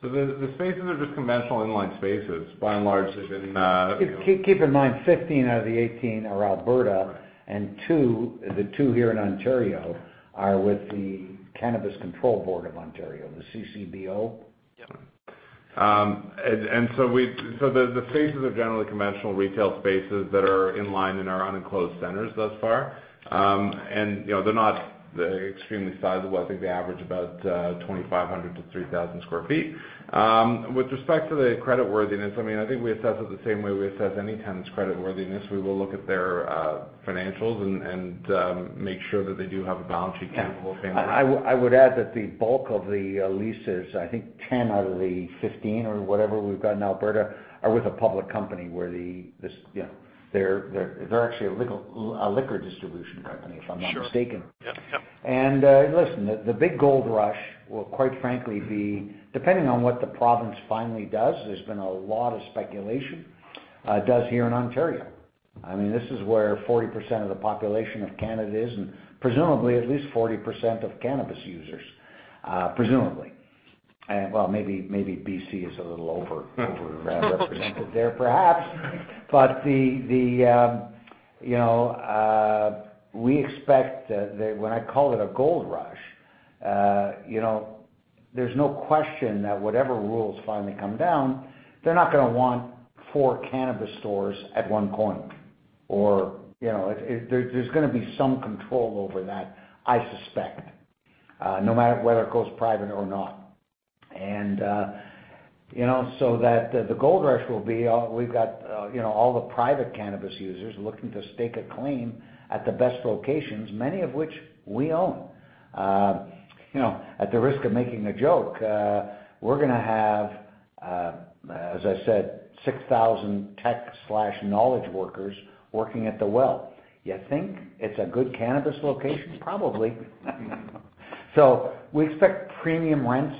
The spaces are just conventional inline spaces by and large. Keep in mind, 15 out of the 18 are Alberta, and two, the two here in Ontario, are with the Cannabis Control Board of Ontario, the CCBO. Yep. The spaces are generally conventional retail spaces that are in line in our unenclosed centers thus far. They're not extremely sizable. I think they average about 2,500 to 3,000 square feet. With respect to the creditworthiness, I think we assess it the same way we assess any tenant's creditworthiness. We will look at their financials and make sure that they do have a balance sheet capable of paying the rent. I would add that the bulk of the leases, I think 10 out of the 15 or whatever we've got in Alberta, are with a public company. They're actually a liquor distribution company, if I'm not mistaken. Sure. Yep. Listen, the big gold rush will, quite frankly, be depending on what the province finally does. There's been a lot of speculation, does here in Ontario. This is where 40% of the population of Canada is, and presumably at least 40% of cannabis users. Presumably. Well, maybe B.C. is a little over-represented there perhaps. We expect, when I call it a gold rush, there's no question that whatever rules finally come down, they're not going to want four cannabis stores at one corner. There's going to be some control over that, I suspect, no matter whether it goes private or not. The gold rush will be, we've got all the private cannabis users looking to stake a claim at the best locations, many of which we own. At the risk of making a joke, we're going to have, as I said, 6,000 tech/knowledge workers working at The Well. You think it's a good cannabis location? Probably. We expect premium rents,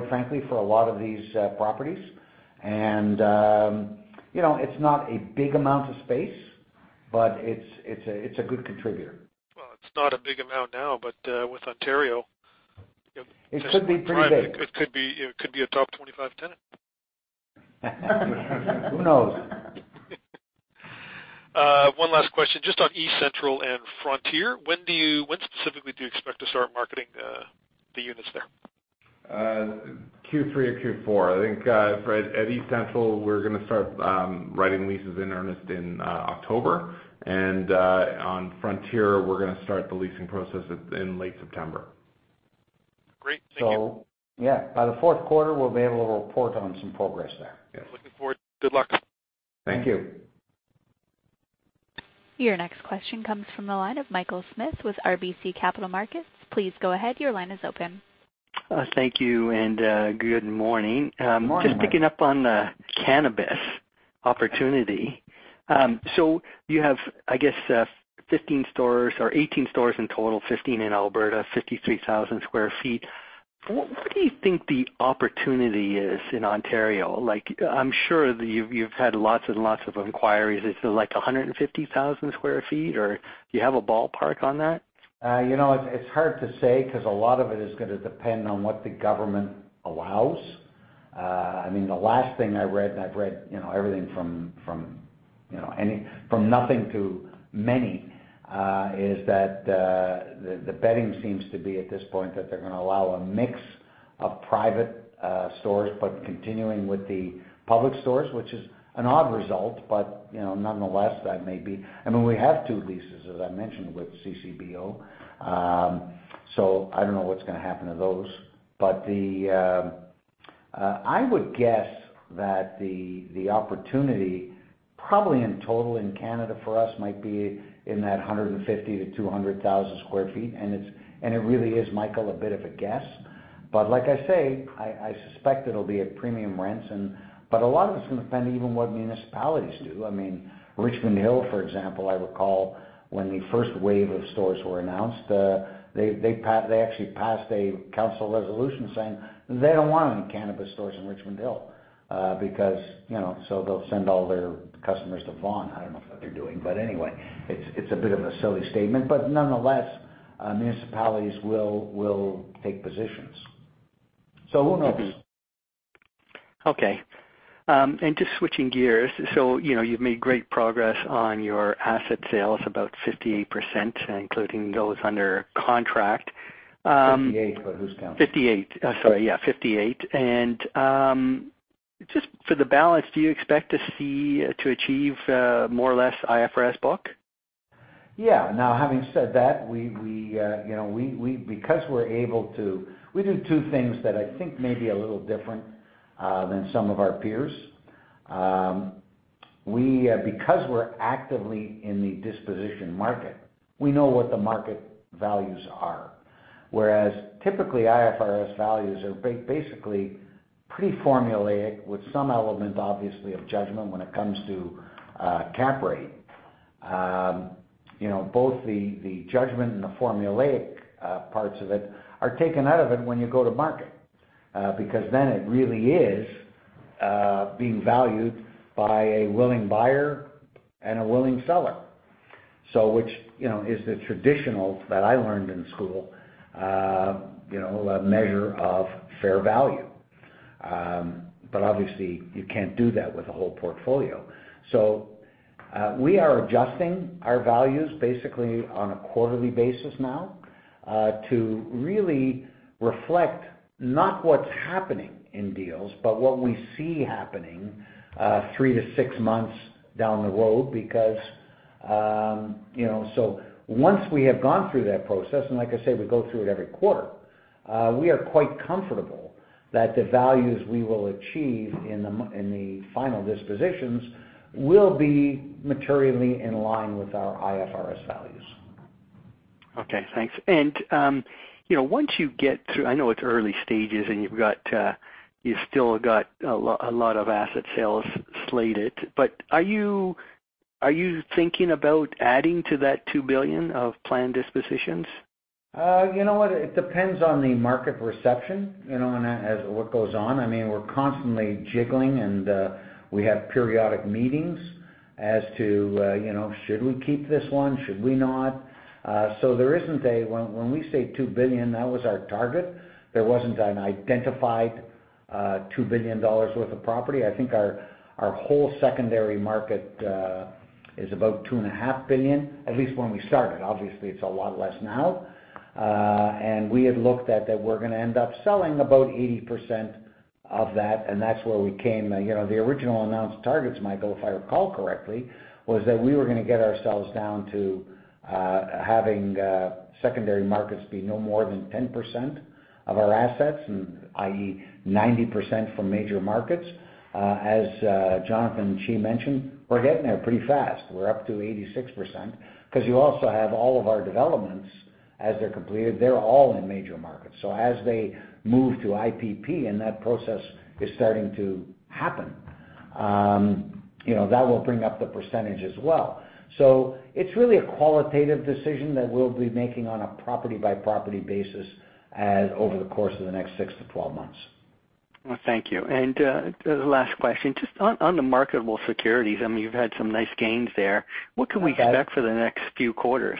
quite frankly, for a lot of these properties. It's not a big amount of space, but it's a good contributor. Well, it's not a big amount now, but with Ontario- It could be pretty big. It could be a top 25 tenant. Who knows? One last question, just on eCentral and Frontier. When specifically do you expect to start marketing the units there? Q3 or Q4. I think at eCentral, we're going to start writing leases in earnest in October, and on Frontier, we're going to start the leasing process in late September. Great. Thank you. Yeah, by the fourth quarter, we'll be able to report on some progress there. Yes. Looking forward to it. Good luck. Thank you. Your next question comes from the line of Michael Smith with RBC Capital Markets. Please go ahead, your line is open. Thank you, good morning. Morning. Just picking up on the cannabis opportunity. You have, I guess, 15 stores or 18 stores in total, 15 in Alberta, 53,000 sq ft. What do you think the opportunity is in Ontario? I'm sure that you've had lots and lots of inquiries. Is it like 150,000 sq ft, or do you have a ballpark on that? It's hard to say because a lot of it is going to depend on what the government allows. The last thing I read, I've read everything from nothing to many, is that the betting seems to be, at this point, that they're going to allow a mix of private stores, continuing with the public stores, which is an odd result. Nonetheless, that may be. We have two leases, as I mentioned, with CCBO. I don't know what's going to happen to those. I would guess that the opportunity probably in total in Canada for us might be in that 150,000 to 200,000 sq ft. It really is, Michael, a bit of a guess. Like I say, I suspect it'll be at premium rents. A lot of it's going to depend even what municipalities do. Richmond Hill, for example, I recall when the first wave of stores were announced, they actually passed a council resolution saying they don't want any cannabis stores in Richmond Hill. They'll send all their customers to Vaughan. I don't know if that's what they're doing. Anyway, it's a bit of a silly statement, nonetheless, municipalities will take positions. Who knows? Okay. Just switching gears. You've made great progress on your asset sales, about 58%, including those under contract. 58, who's counting? 58. Sorry. Yeah, 58. Just for the balance, do you expect to achieve more or less IFRS book? Yeah. Now, having said that, we do two things that I think may be a little different than some of our peers. Because we're actively in the disposition market, we know what the market values are. Whereas typically, IFRS values are basically pretty formulaic with some element, obviously, of judgment when it comes to cap rate. Both the judgment and the formulaic parts of it are taken out of it when you go to market. Because then it really is being valued by a willing buyer and a willing seller. Which is the traditional, that I learned in school, measure of fair value. Obviously, you can't do that with a whole portfolio. We are adjusting our values basically on a quarterly basis now, to really reflect not what's happening in deals, but what we see happening 3 to 6 months down the road. Once we have gone through that process, and like I said, we go through it every quarter, we are quite comfortable that the values we will achieve in the final dispositions will be materially in line with our IFRS values. Okay, thanks. Once you get through, I know it's early stages and you've still got a lot of asset sales slated, but are you thinking about adding to that 2 billion of planned dispositions? You know what? It depends on the market reception, and as what goes on. We're constantly jiggling, and we have periodic meetings as to, should we keep this one? Should we not? There isn't a. When we say 2 billion, that was our target. There wasn't an identified 2 billion dollars worth of property. I think our whole secondary market, is about 2.5 billion, at least when we started. Obviously, it's a lot less now. We had looked at that we're going to end up selling about 80% of that, and that's where we came. The original announced targets, Michael, if I recall correctly, was that we were going to get ourselves down to having secondary markets be no more than 10% of our assets, i.e., 90% from major markets. As Jonathan Gitlin mentioned, we're getting there pretty fast. We're up to 86%. You also have all of our developments as they're completed, they're all in major markets. As they move to IPP and that process is starting to happen. That will bring up the percentage as well. It's really a qualitative decision that we'll be making on a property-by-property basis over the course of the next 6 to 12 months. Well, thank you. The last question, just on the marketable securities, you've had some nice gains there. Okay. What can we expect for the next few quarters?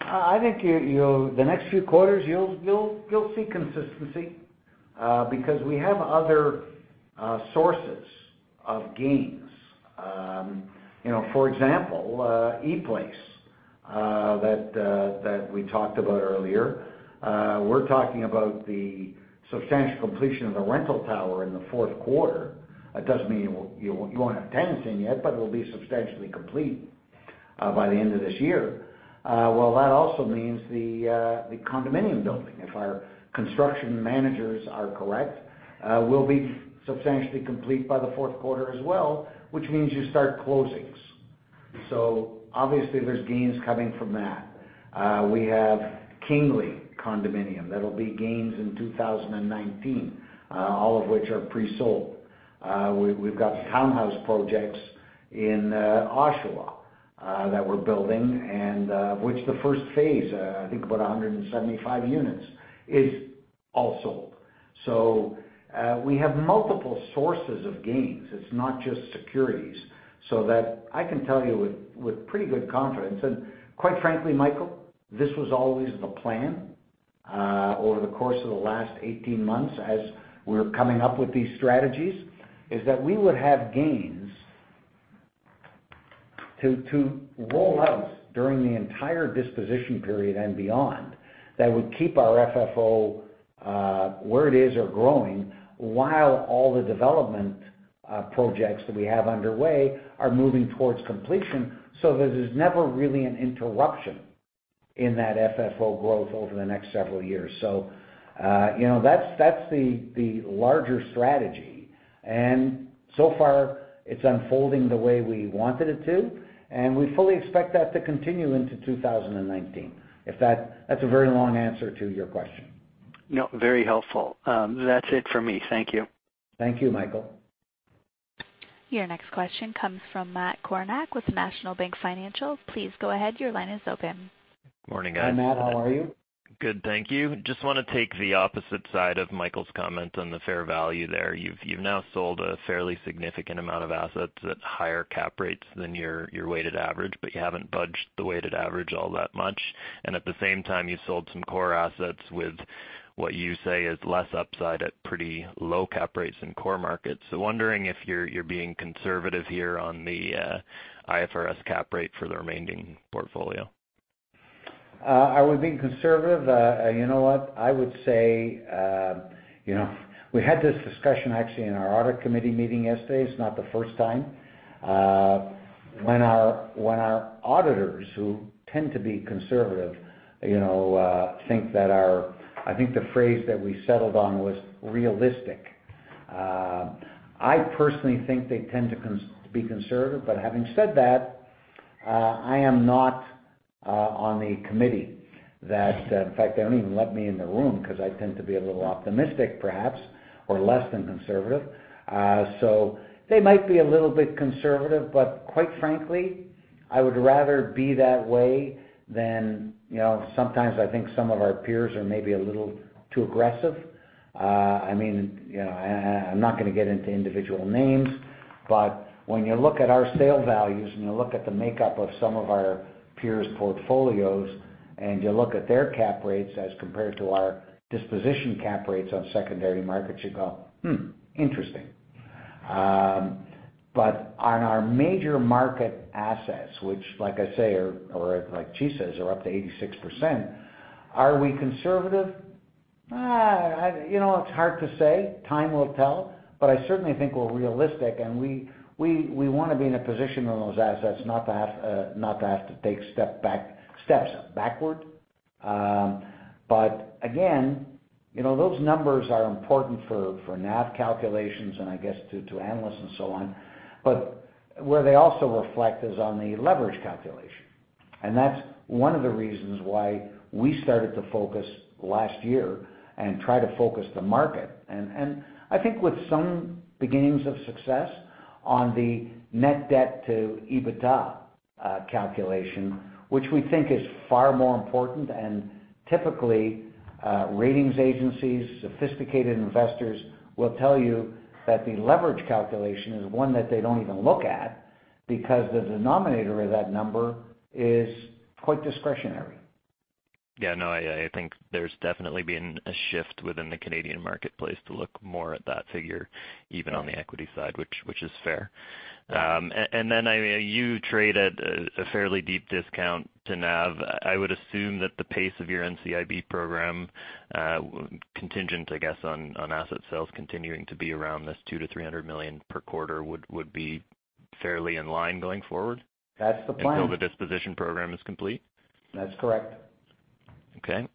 I think the next few quarters you'll see consistency, because we have other sources of gains. For example, ePlace, that we talked about earlier. We're talking about the substantial completion of the rental tower in the fourth quarter. That doesn't mean you won't have tenants in yet, but it will be substantially complete by the end of this year. Well, that also means the condominium building. If our construction managers are correct, will be substantially complete by the fourth quarter as well, which means you start closings. Obviously, there's gains coming from that. We have Kingly condominium. That'll be gains in 2019, all of which are pre-sold. We've got townhouse projects in Oshawa, that we're building, and which the phase 1, I think about 175 units, is all sold. We have multiple sources of gains. It's not just securities, so that I can tell you with pretty good confidence. Quite frankly, Michael, this was always the plan, over the course of the last 18 months as we were coming up with these strategies, is that we would have gains to roll up during the entire disposition period and beyond. That would keep our FFO, where it is or growing while all the development projects that we have underway are moving towards completion. There's never really an interruption in that FFO growth over the next several years. That's the larger strategy. So far, it's unfolding the way we wanted it to, and we fully expect that to continue into 2019. That's a very long answer to your question. No, very helpful. That's it for me. Thank you. Thank you, Michael. Your next question comes from Matt Kornack with National Bank Financial. Please go ahead. Your line is open. Morning, guys. Hi, Matt. How are you? Good, thank you. Just want to take the opposite side of Michael's comment on the fair value there. You've now sold a fairly significant amount of assets at higher cap rates than your weighted average, but you haven't budged the weighted average all that much. At the same time, you sold some core assets with what you say is less upside at pretty low cap rates in core markets. Wondering if you're being conservative here on the IFRS cap rate for the remaining portfolio. Are we being conservative? You know what? I would say, we had this discussion actually in our audit committee meeting yesterday. It's not the first time. When our auditors, who tend to be conservative, think that I think the phrase that we settled on was realistic. I personally think they tend to be conservative. Having said that, I am not on the committee that In fact, they don't even let me in the room because I tend to be a little optimistic perhaps, or less than conservative. They might be a little bit conservative, but quite frankly, I would rather be that way than Sometimes I think some of our peers are maybe a little too aggressive. I'm not going to get into individual names, when you look at our sale values and you look at the makeup of some of our peers' portfolios, and you look at their cap rates as compared to our disposition cap rates on secondary markets, you go, "Hmm, interesting." On our major market assets, which like I say, or like Qi says, are up to 86%, are we conservative? It's hard to say. Time will tell, I certainly think we're realistic, and we want to be in a position on those assets, not to have to take steps backward. Again, those numbers are important for NAV calculations and I guess to analysts and so on. Where they also reflect is on the leverage calculation. That's one of the reasons why we started to focus last year and try to focus the market. I think with some beginnings of success on the net debt to EBITDA calculation, which we think is far more important. Typically, ratings agencies, sophisticated investors will tell you that the leverage calculation is one that they don't even look at, because the denominator of that number is quite discretionary. No, I think there's definitely been a shift within the Canadian marketplace to look more at that figure, even on the equity side, which is fair. Yeah. You trade at a fairly deep discount to NAV. I would assume that the pace of your NCIB program, contingent, I guess, on asset sales continuing to be around this 200 million-300 million per quarter, would be fairly in line going forward? That's the plan. Until the disposition program is complete? That's correct. Okay.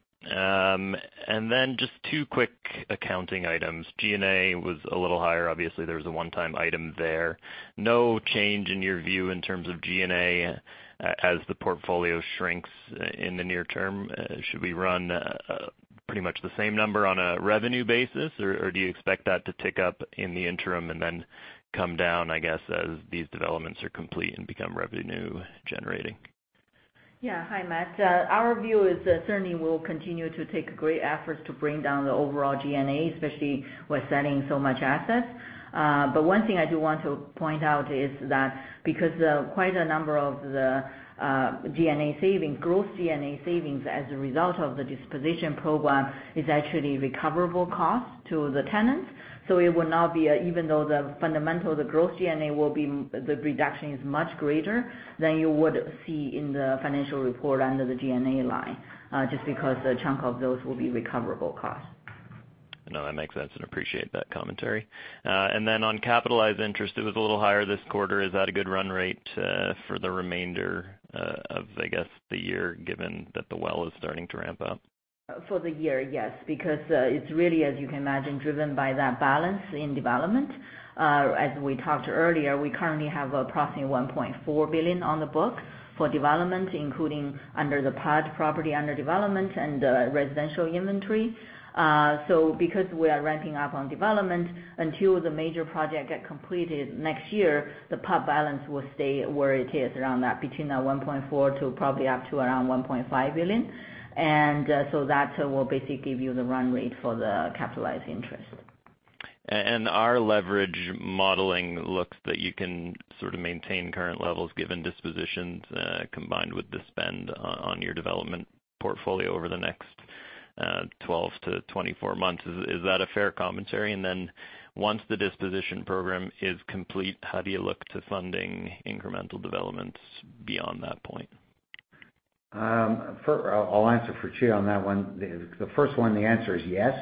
Then just two quick accounting items. G&A was a little higher. Obviously, there was a one-time item there. No change in your view in terms of G&A as the portfolio shrinks in the near term? Should we run pretty much the same number on a revenue basis, or do you expect that to tick up in the interim and then come down, I guess, as these developments are complete and become revenue-generating? Yeah. Hi, Matt. Our view is certainly we'll continue to take great efforts to bring down the overall G&A, especially with selling so much assets. One thing I do want to point out is that because quite a number of the gross G&A savings as a result of the disposition program is actually recoverable cost to the tenants. It will now be, even though the fundamental, the gross G&A will be the reduction is much greater than you would see in the financial report under the G&A line, just because a chunk of those will be recoverable costs. No, that makes sense, appreciate that commentary. On capitalized interest, it was a little higher this quarter. Is that a good run rate for the remainder of, I guess, the year, given that The Well is starting to ramp up? For the year, yes, because it's really, as you can imagine, driven by that balance in development. As we talked earlier, we currently have approximately 1.4 billion on the book for development, including under the POD, property under development, and residential inventory. Because we are ramping up on development, until the major project get completed next year, the POD balance will stay where it is, around that between that 1.4 billion to probably up to around 1.5 billion. That will basically give you the run rate for the capitalized interest. Our leverage modeling looks that you can sort of maintain current levels given dispositions, combined with the spend on your development portfolio over the next 12 to 24 months. Is that a fair commentary? Once the disposition program is complete, how do you look to funding incremental developments beyond that point? I'll answer for Qi on that one. The first one, the answer is yes.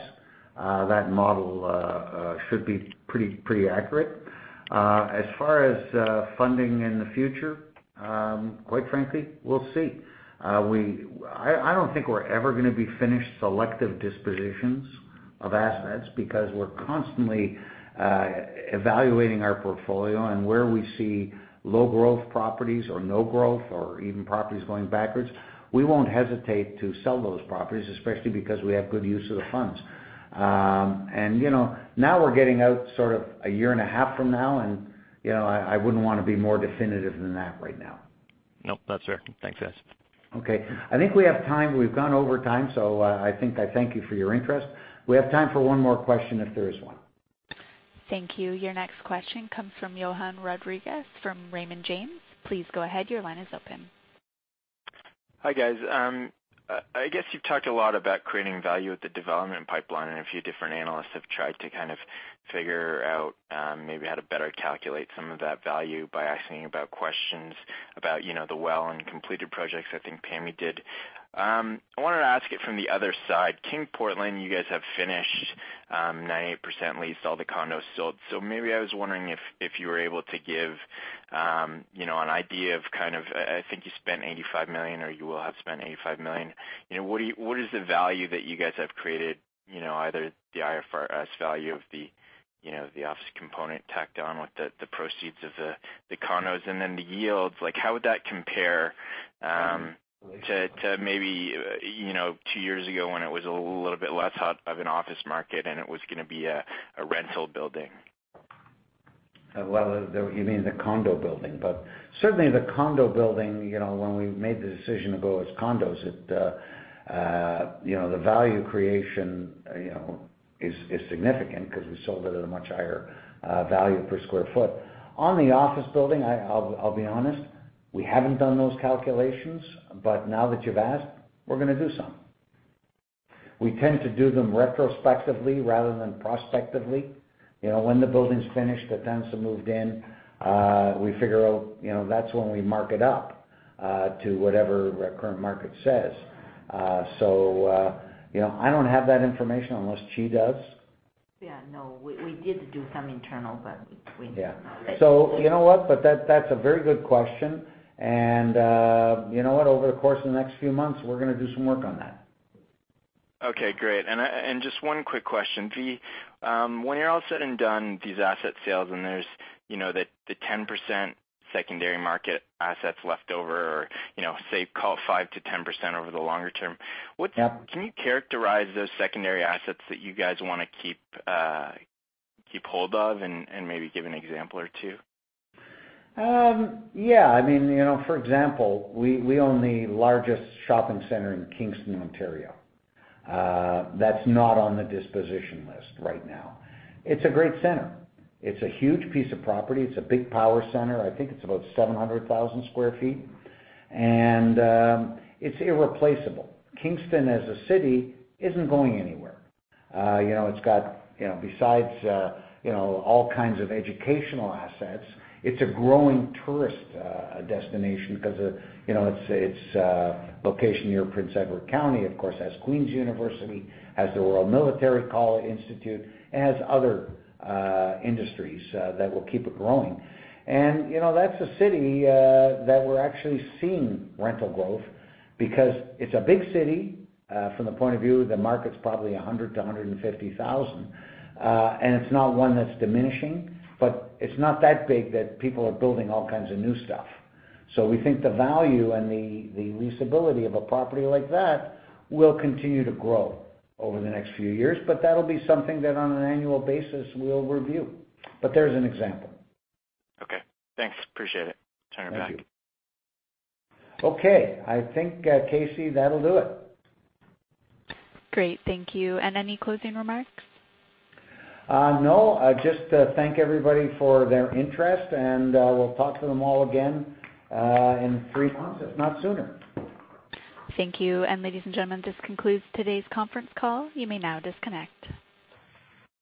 That model should be pretty accurate. As far as funding in the future, quite frankly, we'll see. I don't think we're ever going to be finished selective dispositions of assets because we're constantly evaluating our portfolio and where we see low-growth properties or no growth or even properties going backwards, we won't hesitate to sell those properties, especially because we have good use of the funds. Now we're getting out sort of a year and a half from now, and I wouldn't want to be more definitive than that right now. Nope. That's fair. Thanks, guys. Okay. I think we have time. We've gone over time. I thank you for your interest. We have time for one more question if there is one. Thank you. Your next question comes from Johann Rodrigues from Raymond James. Please go ahead. Your line is open. Hi, guys. I guess you've talked a lot about creating value with the development pipeline. A few different analysts have tried to kind of figure out maybe how to better calculate some of that value by asking about questions about The Well and completed projects, I think Pammi did. I wanted to ask it from the other side. Kingly, you guys have finished, 98% leased, all the condos sold. Maybe I was wondering if you were able to give an idea of kind of, I think you spent 85 million, or you will have spent 85 million. What is the value that you guys have created, either the IFRS value of the office component tacked on with the proceeds of the condos? Then the yields, how would that compare to maybe 2 years ago when it was a little bit less hot of an office market and it was going to be a rental building? You mean the condo building. Certainly, the condo building, when we made the decision to go as condos, the value creation is significant because we sold it at a much higher value per square foot. On the office building, I'll be honest, we haven't done those calculations, but now that you've asked, we're going to do some. We tend to do them retrospectively rather than prospectively. When the building's finished, the tenants are moved in, we figure out, that's when we mark it up to whatever the current market says. I don't have that information, unless Qi does. No. We did do some internal, but we do not have that information. You know what? That's a very good question, and you know what? Over the course of the next few months, we're going to do some work on that. Okay, great. Just one quick question. Qi, when you're all said and done these asset sales and there's the 10% secondary market assets left over or, safe call 5%-10% over the longer term- Yep Can you characterize those secondary assets that you guys want to keep hold of and maybe give an example or two? Yeah. For example, we own the largest shopping center in Kingston, Ontario. That's not on the disposition list right now. It's a great center. It's a huge piece of property. It's a big power center. I think it's about 700,000 sq ft. It's irreplaceable. Kingston as a city isn't going anywhere. It's got, besides all kinds of educational assets, it's a growing tourist destination because of its location near Prince Edward County, of course, has Queen's University, has the Royal Military College Institute, and has other industries that will keep it growing. That's a city that we're actually seeing rental growth because it's a big city, from the point of view, the market's probably 100,000-150,000. It's not one that's diminishing, but it's not that big that people are building all kinds of new stuff. We think the value and the leasability of a property like that will continue to grow over the next few years. That'll be something that on an annual basis we'll review. There's an example. Okay, thanks. Appreciate it. Turn it back. Thank you. Okay. I think, Casey, that'll do it. Great. Thank you. Any closing remarks? No, just to thank everybody for their interest, we'll talk to them all again, in three months, if not sooner. Thank you. Ladies and gentlemen, this concludes today's conference call. You may now disconnect.